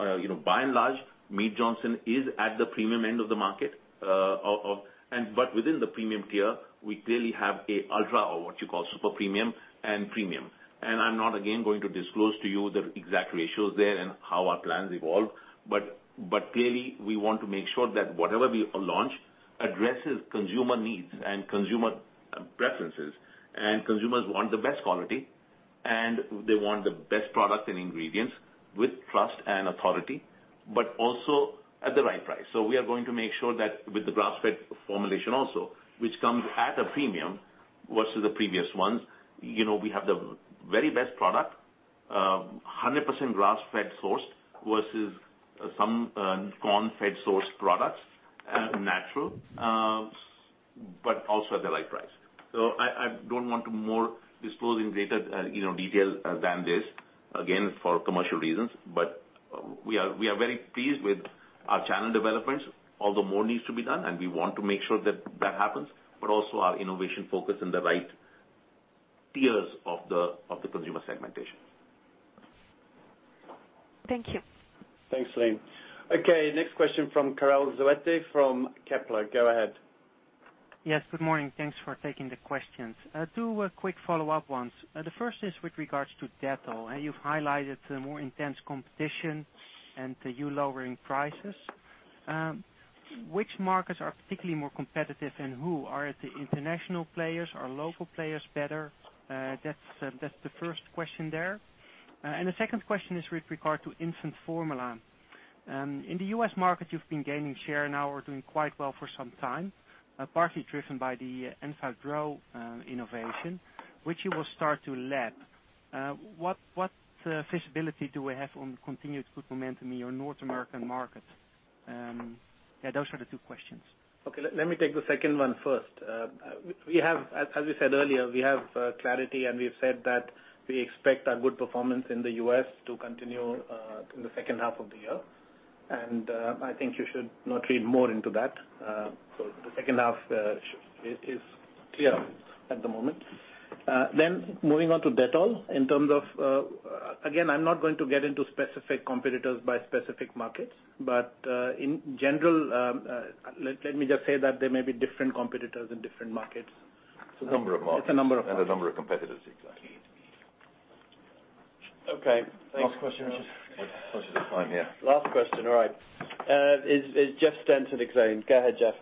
by and large, Mead Johnson is at the premium end of the market. Within the premium tier, we clearly have a ultra or what you call super premium and premium. I'm not, again, going to disclose to you the exact ratios there and how our plans evolve. Clearly we want to make sure that whatever we launch addresses consumer needs and consumer preferences. Consumers want the best quality and they want the best product and ingredients with trust and authority, but also at the right price. We are going to make sure that with the grass-fed formulation also, which comes at a premium versus the previous ones, we have the very best product, 100% grass-fed sourced versus some corn-fed sourced products, natural, but also at the right price. I don't want to more disclose in greater detail than this, again, for commercial reasons. We are very pleased with our channel developments, although more needs to be done, and we want to make sure that that happens, but also our innovation focus in the right tiers of the consumer segmentation. Thank you. Thanks, Celine. Next question from Karel Zwijnenburg from Kepler. Go ahead. Yes, good morning. Thanks for taking the questions. Two quick follow-up ones. The first is with regards to Dettol. You've highlighted the more intense competition and you lowering prices. Which markets are particularly more competitive and who? Are it the international players? Are local players better? That's the first question there. The second question is with regard to infant formula. In the U.S. market, you've been gaining share now or doing quite well for some time, partly driven by the Enfagrow innovation, which you will start to lap. What visibility do we have on continued good momentum in your North American market? Yeah, those are the two questions. Okay, let me take the second one first. As we said earlier, we have clarity, and we've said that we expect our good performance in the U.S. to continue, in the H2 of the year. I think you should not read more into that. The H2 is clear at the moment. Moving on to Dettol in terms of, again, I'm not going to get into specific competitors by specific markets. In general, let me just say that there may be different competitors in different markets. It's a number of markets. It's a number of markets. A number of competitors, exactly. Okay, thanks. Last question. We're conscious of time here. Last question. All right. It's Jeff Stent at Exane. Go ahead, Jeff.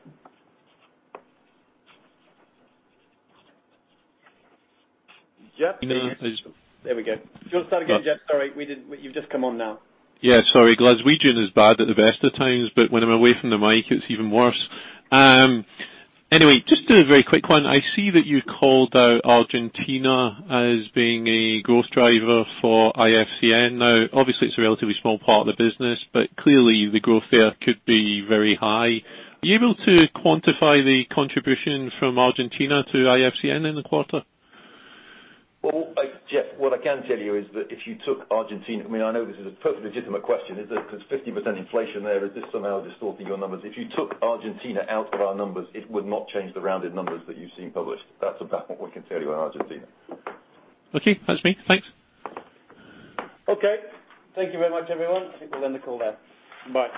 Jeff, are you there? There we go. Do you want to start again, Jeff? Sorry, you've just come on now. Yeah, sorry. Glaswegian is bad at the best of times, but when I'm away from the mic, it's even worse. Anyway, just a very quick one. I see that you called out Argentina as being a growth driver for IFCN. Now, obviously it's a relatively small part of the business, but clearly the growth there could be very high. Are you able to quantify the contribution from Argentina to IFCN in the quarter? Well, Jeff, what I can tell you is that if you took Argentina, I know this is a perfectly legitimate question, is that because 50% inflation there, is this somehow distorting your numbers? If you took Argentina out of our numbers, it would not change the rounded numbers that you've seen published. That's about what we can tell you on Argentina. Okay, that's me. Thanks. Okay. Thank you very much, everyone. I think we'll end the call there. Bye.